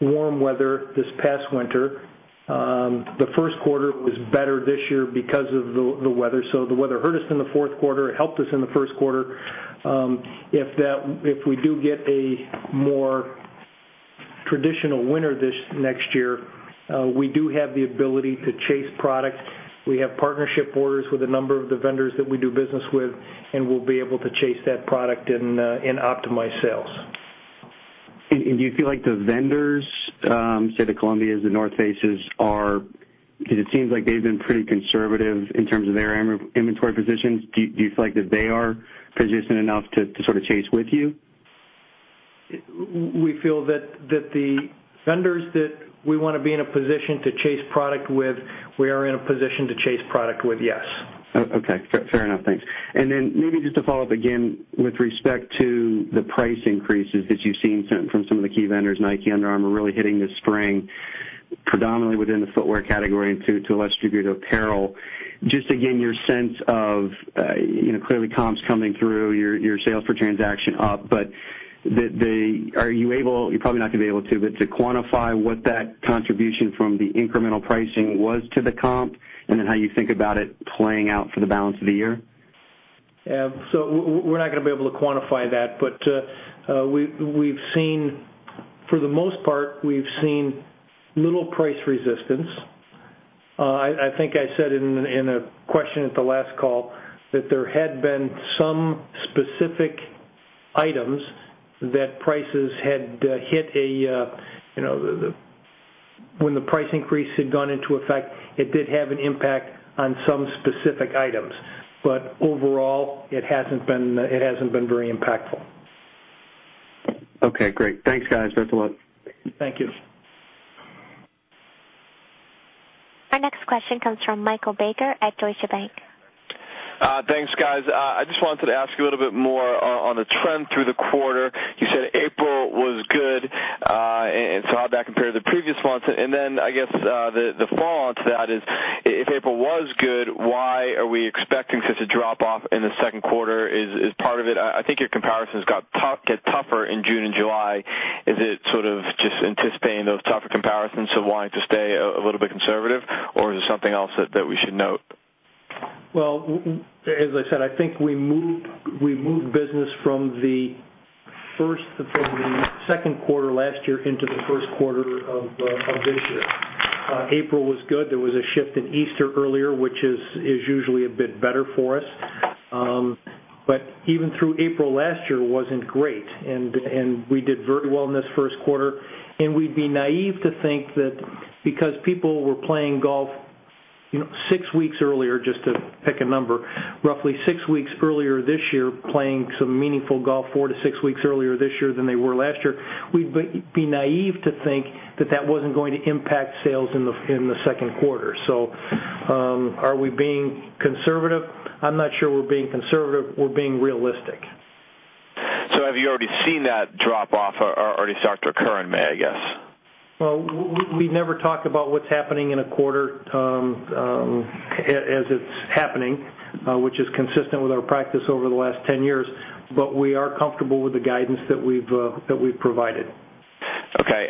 warm weather this past winter. The first quarter was better this year because of the weather. The weather hurt us in the fourth quarter. It helped us in the first quarter. If we do get a more traditional winter this next year, we do have the ability to chase product. We have partnership orders with a number of the vendors that we do business with, we'll be able to chase that product and optimize sales. Do you feel like the vendors, say, the Columbias, The North Faces are because it seems like they've been pretty conservative in terms of their inventory positions. Do you feel like that they are positioned enough to sort of chase with you? We feel that the vendors that we want to be in a position to chase product with, we are in a position to chase product with, yes. Okay. Fair enough. Thanks. Then maybe just to follow up again with respect to the price increases that you've seen from some of the key vendors, Nike, Under Armour, really hitting the spring predominantly within the footwear category and to a less degree to apparel. Just again, your sense of clearly comps coming through, your sales per transaction up. Are you able, you're probably not going to be able to, but to quantify what that contribution from the incremental pricing was to the comp, and then how you think about it playing out for the balance of the year? We're not going to be able to quantify that. For the most part, we've seen little price resistance. I think I said it in a question at the last call that there had been some specific items that when the price increase had gone into effect, it did have an impact on some specific items. Overall, it hasn't been very impactful. Okay, great. Thanks, guys. That's all. Thank you. Our next question comes from Michael Baker at Deutsche Bank. Thanks, guys. I just wanted to ask a little bit more on the trend through the quarter. You said April was good. How did that compare to the previous months? I guess, the follow on to that is, if April was good, why are we expecting such a drop off in the second quarter? Is part of it, I think your comparisons get tougher in June and July? Is it sort of just anticipating those tougher comparisons, so wanting to stay a little bit conservative, or is there something else that we should note? Well, as I said, I think we moved business from the second quarter last year into the first quarter of this year. April was good. There was a shift in Easter earlier, which is usually a bit better for us. Even through April last year wasn't great, and we did very well in this first quarter. We'd be naïve to think that because people were playing golf six weeks earlier, just to pick a number, roughly six weeks earlier this year, playing some meaningful golf four to six weeks earlier this year than they were last year. We'd be naïve to think that that wasn't going to impact sales in the second quarter. Are we being conservative? I'm not sure we're being conservative. We're being realistic. Have you already seen that drop off already start to occur in May, I guess? Well, we never talk about what's happening in a quarter as it's happening, which is consistent with our practice over the last 10 years, but we are comfortable with the guidance that we've provided. Okay.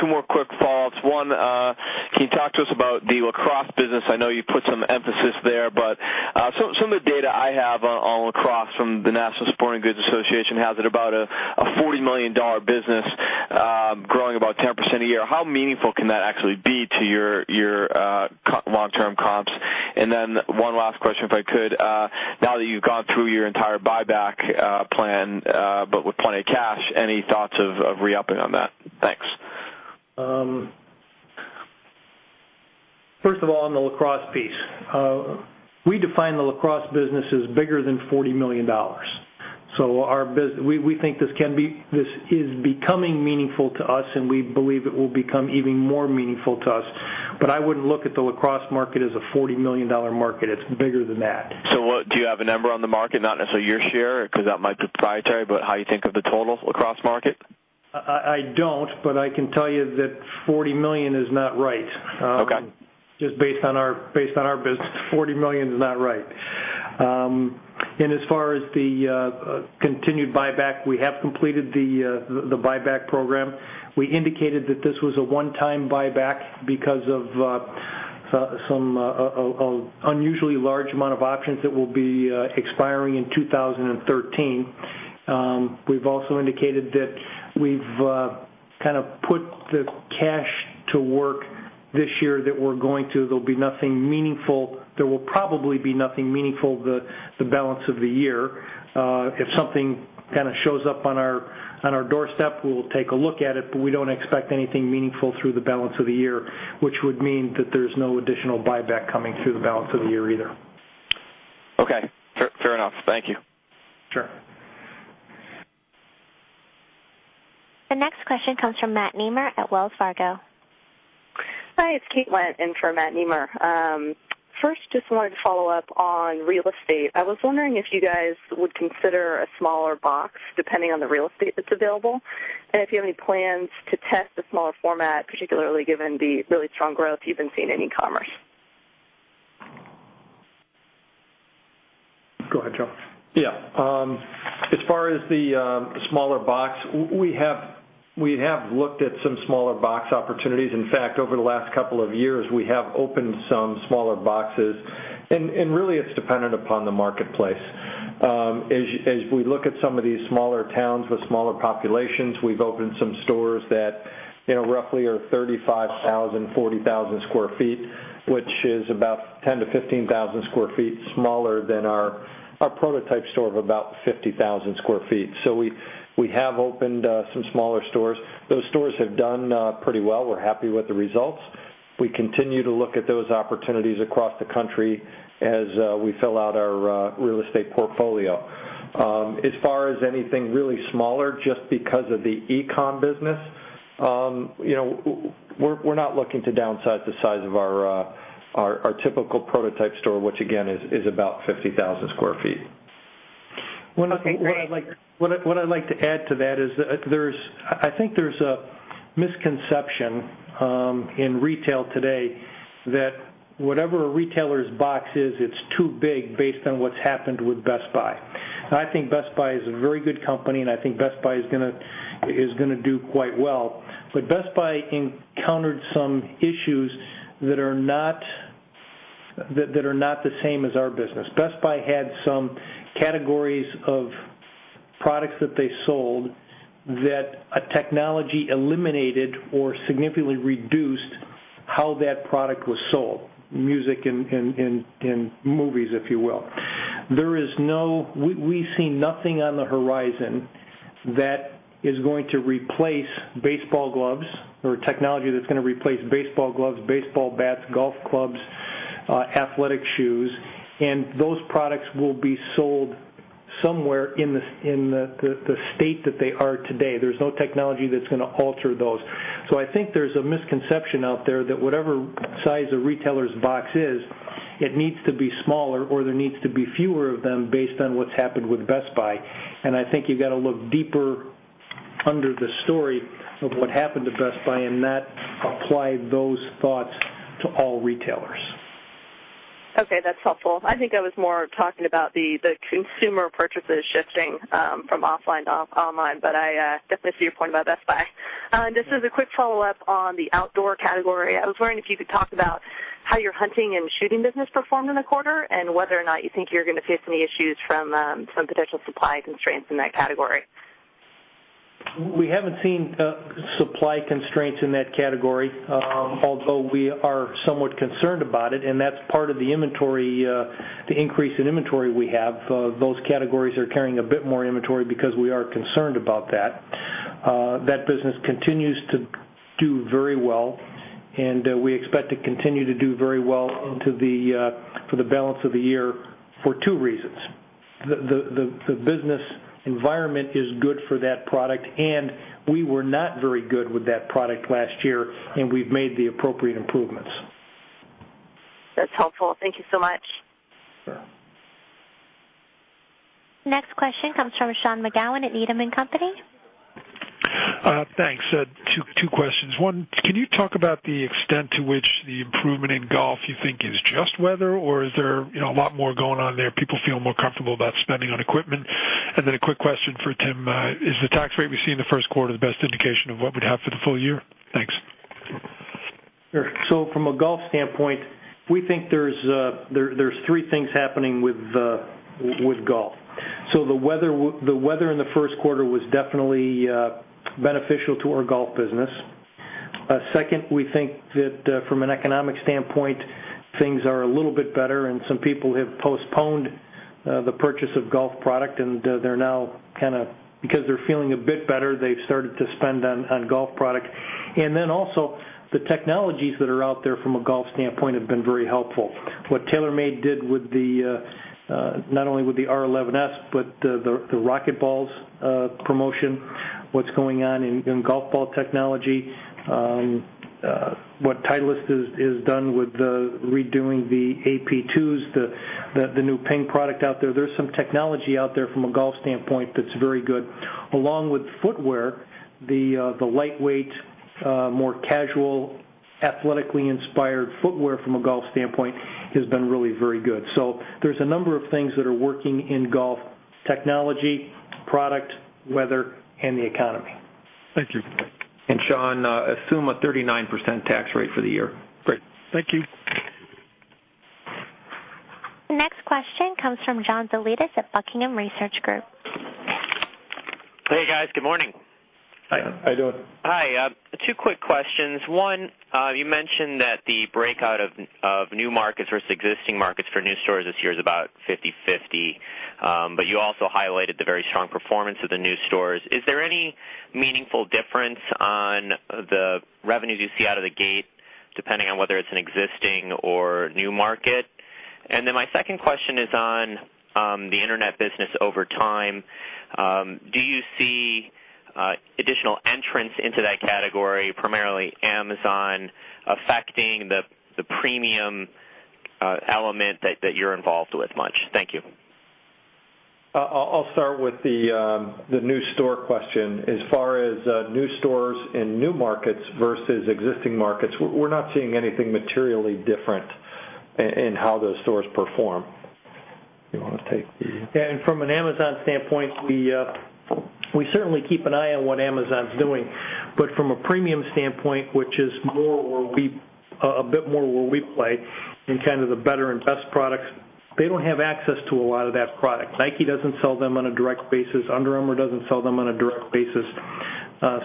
Two more quick follows. One, can you talk to us about the lacrosse business? I know you put some emphasis there, but some of the data I have on lacrosse from the National Sporting Goods Association has it about a $40 million business, growing about 10% a year. How meaningful can that actually be to your long-term comps? One last question, if I could. Now that you've gone through your entire buyback plan, but with plenty of cash, any thoughts of re-upping on that? Thanks. First of all, on the lacrosse piece. We define the lacrosse business as bigger than $40 million. We think this is becoming meaningful to us, and we believe it will become even more meaningful to us. I wouldn't look at the lacrosse market as a $40 million market. It's bigger than that. Do you have a number on the market, not necessarily your share, because that might be proprietary, but how you think of the total lacrosse market? I don't, but I can tell you that $40 million is not right. Okay. Just based on our business, $40 million is not right. As far as the continued buyback, we have completed the buyback program. We indicated that this was a one-time buyback because of some unusually large amount of options that will be expiring in 2013. We've also indicated that we've kind of put the cash to work this year that we're going to. There'll be nothing meaningful. There will probably be nothing meaningful the balance of the year. If something shows up on our doorstep, we'll take a look at it, but we don't expect anything meaningful through the balance of the year, which would mean that there's no additional buyback coming through the balance of the year either. Okay. Fair enough. Thank you. Sure. The next question comes from Matt Nemer at Wells Fargo. Hi, it's Kate Wendt in for Matt Nemer. First, just wanted to follow up on real estate. I was wondering if you guys would consider a smaller box depending on the real estate that's available, and if you have any plans to test a smaller format, particularly given the really strong growth you've been seeing in e-commerce. Go ahead, Joe. Yeah. As far as the smaller box, we have looked at some smaller box opportunities. In fact, over the last couple of years, we have opened some smaller boxes. Really, it's dependent upon the marketplace. As we look at some of these smaller towns with smaller populations, we've opened some stores that roughly are 35,000, 40,000 square feet, which is about 10,000 to 15,000 square feet smaller than our prototype store of about 50,000 square feet. We have opened some smaller stores. Those stores have done pretty well. We're happy with the results. We continue to look at those opportunities across the country as we fill out our real estate portfolio. As far as anything really smaller, just because of the e-com business, we're not looking to downsize the size of our typical prototype store, which again, is about 50,000 square feet. Okay, great. What I'd like to add to that is that I think there's a misconception in retail today that whatever a retailer's box is, it's too big based on what's happened with Best Buy. I think Best Buy is a very good company, and I think Best Buy is going to do quite well. Best Buy encountered some issues that are not the same as our business. Best Buy had some categories of products that they sold that a technology eliminated or significantly reduced how that product was sold, music and movies, if you will. We see nothing on the horizon that is going to replace baseball gloves or technology that's going to replace baseball gloves, baseball bats, golf clubs, athletic shoes, and those products will be sold somewhere in the state that they are today. There's no technology that's going to alter those. I think there's a misconception out there that whatever size a retailer's box is, it needs to be smaller, or there needs to be fewer of them based on what's happened with Best Buy. I think you've got to look deeper under the story of what happened to Best Buy and not apply those thoughts to all retailers. Okay. That's helpful. I think I was more talking about the consumer purchases shifting from offline to online, but I definitely see your point about Best Buy. This is a quick follow-up on the outdoor category. I was wondering if you could talk about how your hunting and shooting business performed in the quarter, and whether or not you think you're going to face any issues from some potential supply constraints in that category. We haven't seen supply constraints in that category. Although we are somewhat concerned about it, and that's part of the increase in inventory we have. Those categories are carrying a bit more inventory because we are concerned about that. That business continues to do very well, and we expect to continue to do very well for the balance of the year for two reasons. The business environment is good for that product, and we were not very good with that product last year, and we've made the appropriate improvements. That's helpful. Thank you so much. Sure. Next question comes from Sean McGowan at Needham & Company. Thanks. Two questions. One, can you talk about the extent to which the improvement in golf you think is just weather, or is there a lot more going on there, people feel more comfortable about spending on equipment? A quick question for Tim. Is the tax rate we see in the first quarter the best indication of what we'd have for the full year? Thanks. Sure. From a golf standpoint, we think there's three things happening with golf. The weather in the first quarter was definitely beneficial to our golf business. Second, we think that from an economic standpoint, things are a little bit better, and some people have postponed the purchase of golf product, and because they're feeling a bit better, they've started to spend on golf product. Also, the technologies that are out there from a golf standpoint have been very helpful. What TaylorMade did, not only with the R11S, but the RocketBallz promotion, what's going on in golf ball technology. What Titleist has done with redoing the AP2s, the new Ping product out there. There's some technology out there from a golf standpoint that's very good. Along with footwear, the lightweight, more casual, athletically inspired footwear from a golf standpoint has been really very good. There's a number of things that are working in golf: technology, product, weather, and the economy. Thank you. You're welcome. Sean, assume a 39% tax rate for the year. Great. Thank you. Next question comes from John Zolidis at Buckingham Research Group. Hey, guys. Good morning. Hi. How you doing? Hi. Two quick questions. One, you mentioned that the breakout of new markets versus existing markets for new stores this year is about 50/50. You also highlighted the very strong performance of the new stores. Is there any meaningful difference on the revenues you see out of the gate, depending on whether it's an existing or new market? My second question is on the internet business over time. Do you see additional entrants into that category, primarily Amazon, affecting the premium element that you're involved with much? Thank you. I'll start with the new store question. As far as new stores in new markets versus existing markets, we're not seeing anything materially different in how those stores perform. You want to take the- Yeah, from an Amazon standpoint, we certainly keep an eye on what Amazon's doing. From a premium standpoint, which is a bit more where we play, in kind of the better and best products, they don't have access to a lot of that product. Nike doesn't sell them on a direct basis. Under Armour doesn't sell them on a direct basis.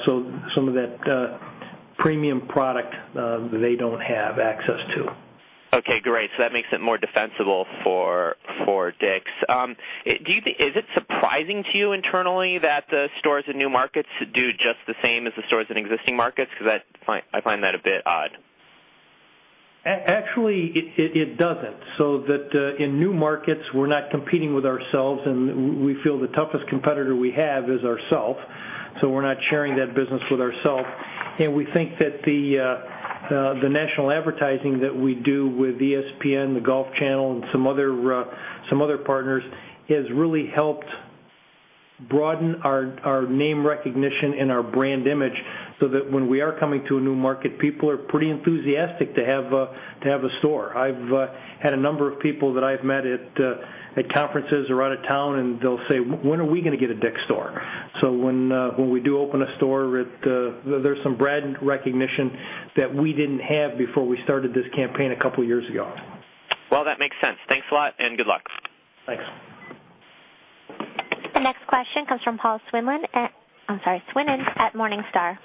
Some of that premium product, they don't have access to. Okay, great. That makes it more defensible for DICK'S. Is it surprising to you internally that the stores in new markets do just the same as the stores in existing markets? I find that a bit odd. Actually, it doesn't. That in new markets, we are not competing with ourselves. We feel the toughest competitor we have is ourself, we are not sharing that business with ourself. We think that the national advertising that we do with ESPN, the Golf Channel, and some other partners has really helped broaden our name recognition and our brand image so that when we are coming to a new market, people are pretty enthusiastic to have a store. I've had a number of people that I've met at conferences or out of town, and they'll say, "When are we going to get a DICK'S store?" When we do open a store, there is some brand recognition that we didn't have before we started this campaign a couple of years ago. Well, that makes sense. Thanks a lot. Good luck. Thanks. The next question comes from Paul Swinand at Morningstar.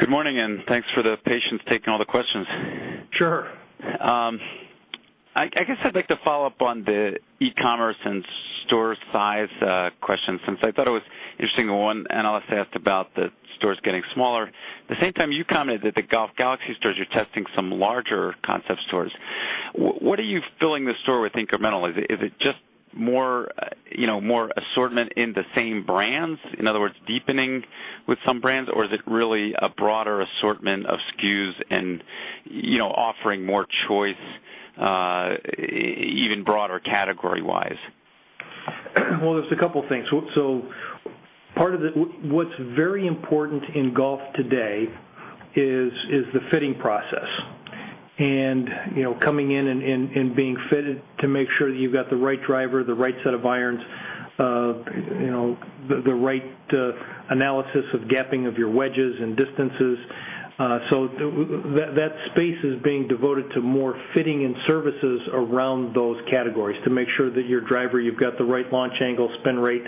Good morning, and thanks for the patience, taking all the questions. Sure. I guess I'd like to follow up on the e-commerce and store size question, since I thought it was interesting when one analyst asked about the stores getting smaller. At the same time, you commented that the Golf Galaxy stores, you're testing some larger concept stores. What are you filling the store with incrementally? Is it just more assortment in the same brands, in other words, deepening with some brands, or is it really a broader assortment of SKUs and offering more choice, even broader category-wise? Well, there's a couple things. What's very important in golf today is the fitting process, and coming in and being fitted to make sure that you've got the right driver, the right set of irons, the right analysis of gapping of your wedges and distances. That space is being devoted to more fitting and services around those categories to make sure that your driver, you've got the right launch angle, spin rate,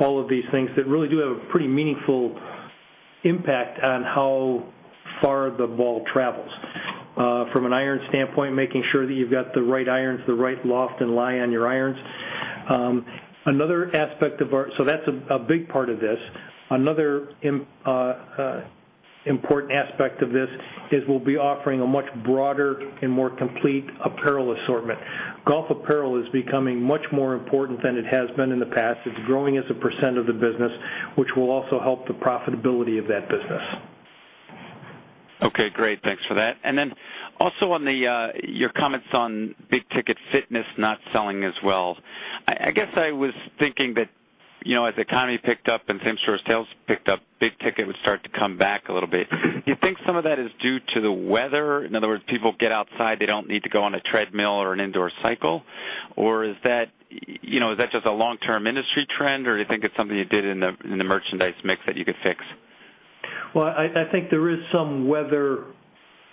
all of these things that really do have a pretty meaningful impact on how far the ball travels. From an iron standpoint, making sure that you've got the right irons, the right loft and lie on your irons. That's a big part of this. Another important aspect of this is we'll be offering a much broader and more complete apparel assortment. Golf apparel is becoming much more important than it has been in the past. It's growing as a percent of the business, which will also help the profitability of that business. Okay, great. Thanks for that. Also on your comments on big ticket fitness not selling as well. I guess I was thinking that, as the economy picked up and same-store sales picked up, big ticket would start to come back a little bit. Do you think some of that is due to the weather? In other words, people get outside, they don't need to go on a treadmill or an indoor cycle? Or is that just a long-term industry trend? Or do you think it's something you did in the merchandise mix that you could fix? Well, I think there is some weather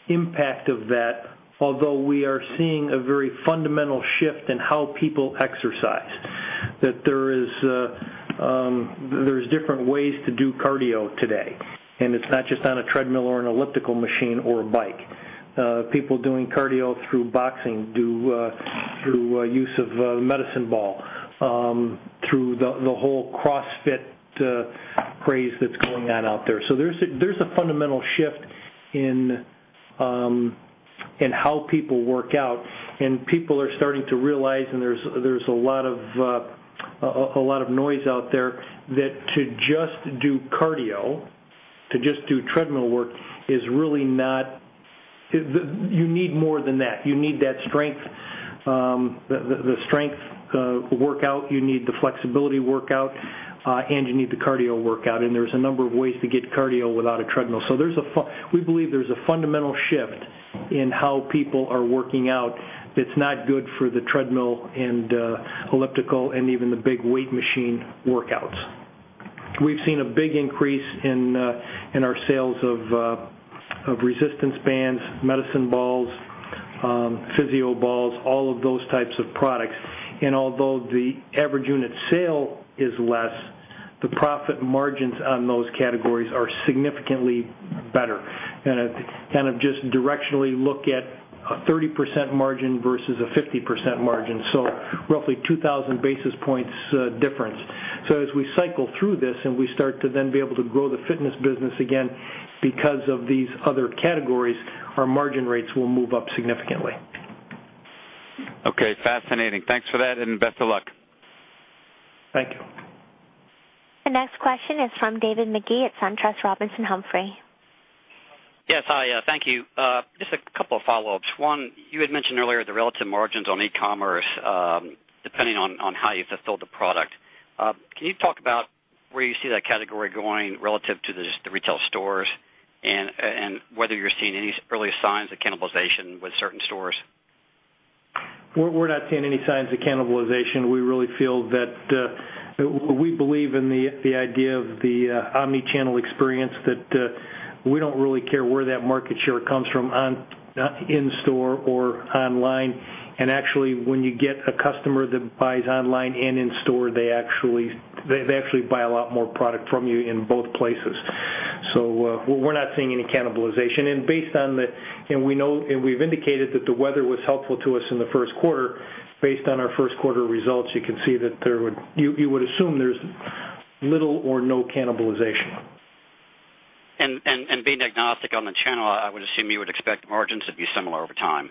impact of that. Although, we are seeing a very fundamental shift in how people exercise. That there's different ways to do cardio today, and it's not just on a treadmill or an elliptical machine or a bike. People doing cardio through boxing, through use of a medicine ball, through the whole CrossFit craze that's going on out there. There's a fundamental shift in how people work out and people are starting to realize, and there's a lot of noise out there, that to just do cardio, to just do treadmill work, you need more than that. You need the strength workout, you need the flexibility workout, and you need the cardio workout. There's a number of ways to get cardio without a treadmill. We believe there's a fundamental shift in how people are working out that's not good for the treadmill and elliptical and even the big weight machine workouts. We've seen a big increase in our sales of resistance bands, medicine balls, physioballs, all of those types of products. Although the average unit sale is less, the profit margins on those categories are significantly better. Kind of just directionally look at a 30% margin versus a 50% margin. Roughly 2,000 basis points difference. As we cycle through this and we start to then be able to grow the fitness business again because of these other categories, our margin rates will move up significantly. Okay. Fascinating. Thanks for that and best of luck. Thank you. The next question is from David Magee at SunTrust Robinson Humphrey. Yes, hi. Thank you. Just a couple of follow-ups. One, you had mentioned earlier the relative margins on e-commerce, depending on how you fulfilled the product. Can you talk about where you see that category going relative to just the retail stores and whether you're seeing any early signs of cannibalization with certain stores? We're not seeing any signs of cannibalization. We believe in the idea of the omni-channel experience, that we don't really care where that market share comes from, in store or online. Actually, when you get a customer that buys online and in store, they actually buy a lot more product from you in both places. We're not seeing any cannibalization. We've indicated that the weather was helpful to us in the first quarter. Based on our first quarter results, you would assume there's little or no cannibalization. Being agnostic on the channel, I would assume you would expect margins to be similar over time.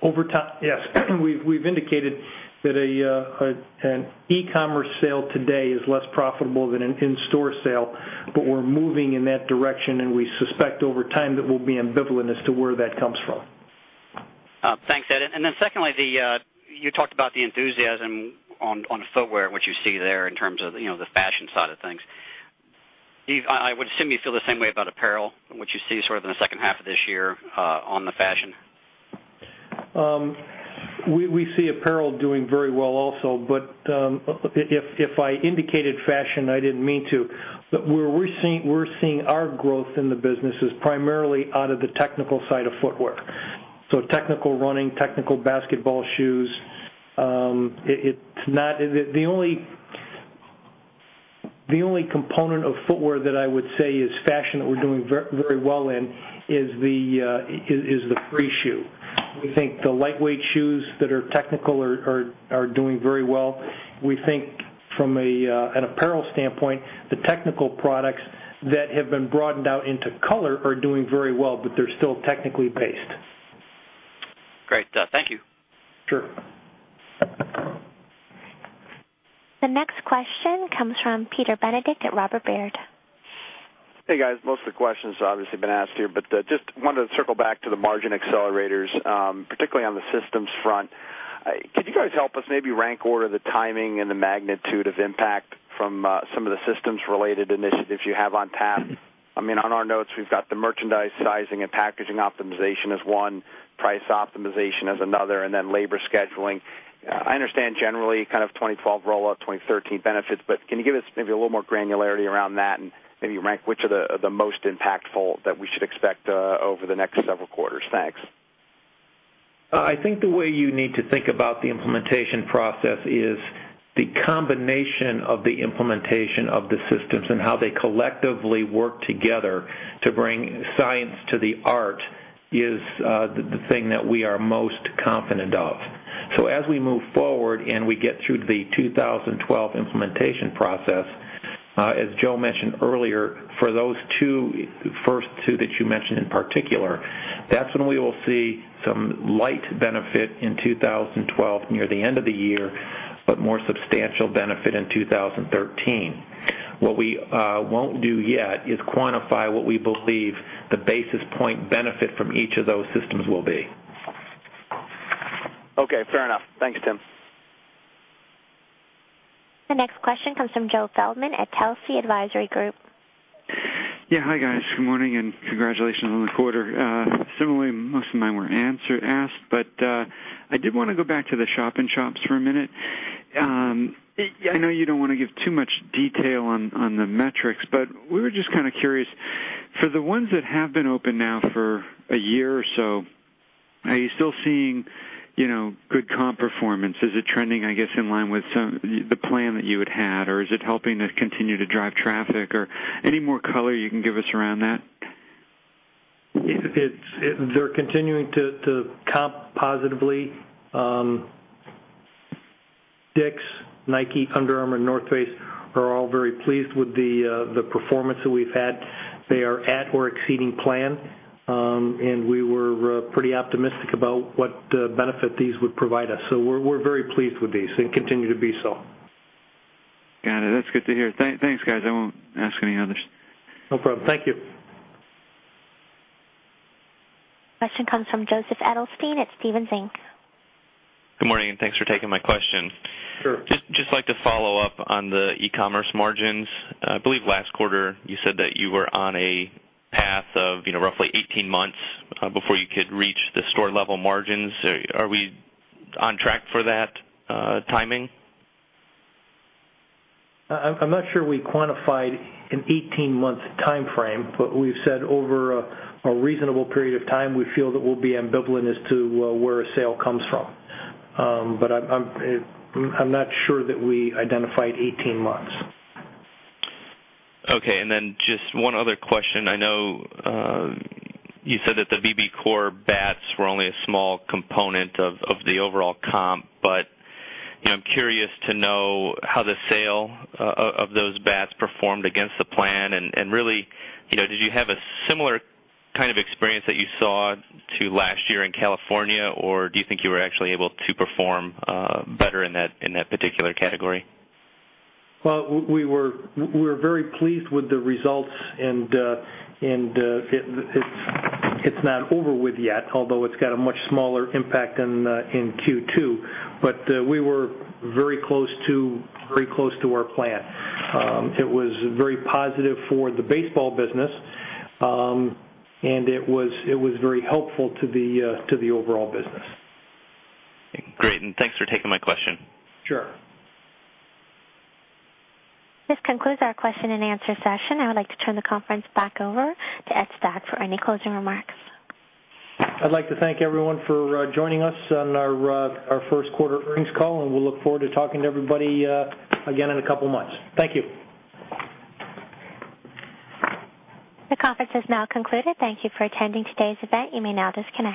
Over time, yes. We've indicated that an e-commerce sale today is less profitable than an in-store sale, we're moving in that direction, we suspect over time that we'll be ambivalent as to where that comes from. Thanks, Ed. Secondly, you talked about the enthusiasm on footwear and what you see there in terms of the fashion side of things. I would assume you feel the same way about apparel and what you see sort of in the second half of this year on the fashion. We see apparel doing very well also. If I indicated fashion, I didn't mean to. Where we're seeing our growth in the business is primarily out of the technical side of footwear. Technical running, technical basketball shoes. The only component of footwear that I would say is fashion that we're doing very well in is the free shoe. We think the lightweight shoes that are technical are doing very well. We think from an apparel standpoint, the technical products that have been broadened out into color are doing very well, but they're still technically based. Great. Thank you. Sure. The next question comes from Peter Benedict at Robert W. Baird. Hey, guys. Most of the questions obviously have been asked here. Just wanted to circle back to the margin accelerators, particularly on the systems front. Could you guys help us maybe rank order the timing and the magnitude of impact from some of the systems-related initiatives you have on tap? On our notes, we've got the merchandise size and packaging optimization as one, price optimization as another, and then labor scheduling. I understand generally kind of 2012 rollout, 2013 benefits, but can you give us maybe a little more granularity around that and maybe rank which are the most impactful that we should expect over the next several quarters? Thanks. The way you need to think about the implementation process is the combination of the implementation of the systems and how they collectively work together to bring science to the art is the thing that we are most confident of. As we move forward and we get through the 2012 implementation process, as Joe mentioned earlier, for those first two that you mentioned in particular, that's when we will see some light benefit in 2012 near the end of the year. More substantial benefit in 2013. What we won't do yet is quantify what we believe the basis point benefit from each of those systems will be. Okay, fair enough. Thanks, Tim. The next question comes from Joe Feldman at Telsey Advisory Group. Yeah. Hi, guys. Good morning, and congratulations on the quarter. Similarly, most of mine were asked. I did want to go back to the shop-in-shops for a minute. I know you don't want to give too much detail on the metrics. We were just kind of curious, for the ones that have been open now for a year or so, are you still seeing good comp performance? Is it trending, I guess, in line with the plan that you had had, or is it helping to continue to drive traffic, or any more color you can give us around that? They're continuing to comp positively. DICK'S, Nike, Under Armour, North Face are all very pleased with the performance that we've had. They are at or exceeding plan. We were pretty optimistic about what benefit these would provide us. We're very pleased with these and continue to be so. Got it. That's good to hear. Thanks, guys. I won't ask any others. No problem. Thank you. Question comes from Joseph Edelstein at Stephens Inc. Good morning, thanks for taking my question. Sure. Just like to follow up on the e-commerce margins. I believe last quarter you said that you were on a path of roughly 18 months before you could reach the store level margins. Are we on track for that timing? I'm not sure we quantified an 18 months timeframe, we've said over a reasonable period of time, we feel that we'll be ambivalent as to where a sale comes from. I'm not sure that we identified 18 months. Okay. Just one other question. I know you said that the BBCOR bats were only a small component of the overall comp, I'm curious to know how the sale of those bats performed against the plan. Really, did you have a similar kind of experience that you saw to last year in California, or do you think you were actually able to perform better in that particular category? Well, we're very pleased with the results, it's not over with yet, although it's got a much smaller impact in Q2. We were very close to our plan. It was very positive for the baseball business. It was very helpful to the overall business. Great, thanks for taking my question. Sure. This concludes our question and answer session. I would like to turn the conference back over to Ed Stack for any closing remarks. I'd like to thank everyone for joining us on our first quarter earnings call. We'll look forward to talking to everybody again in a couple of months. Thank you. The conference has now concluded. Thank you for attending today's event. You may now disconnect.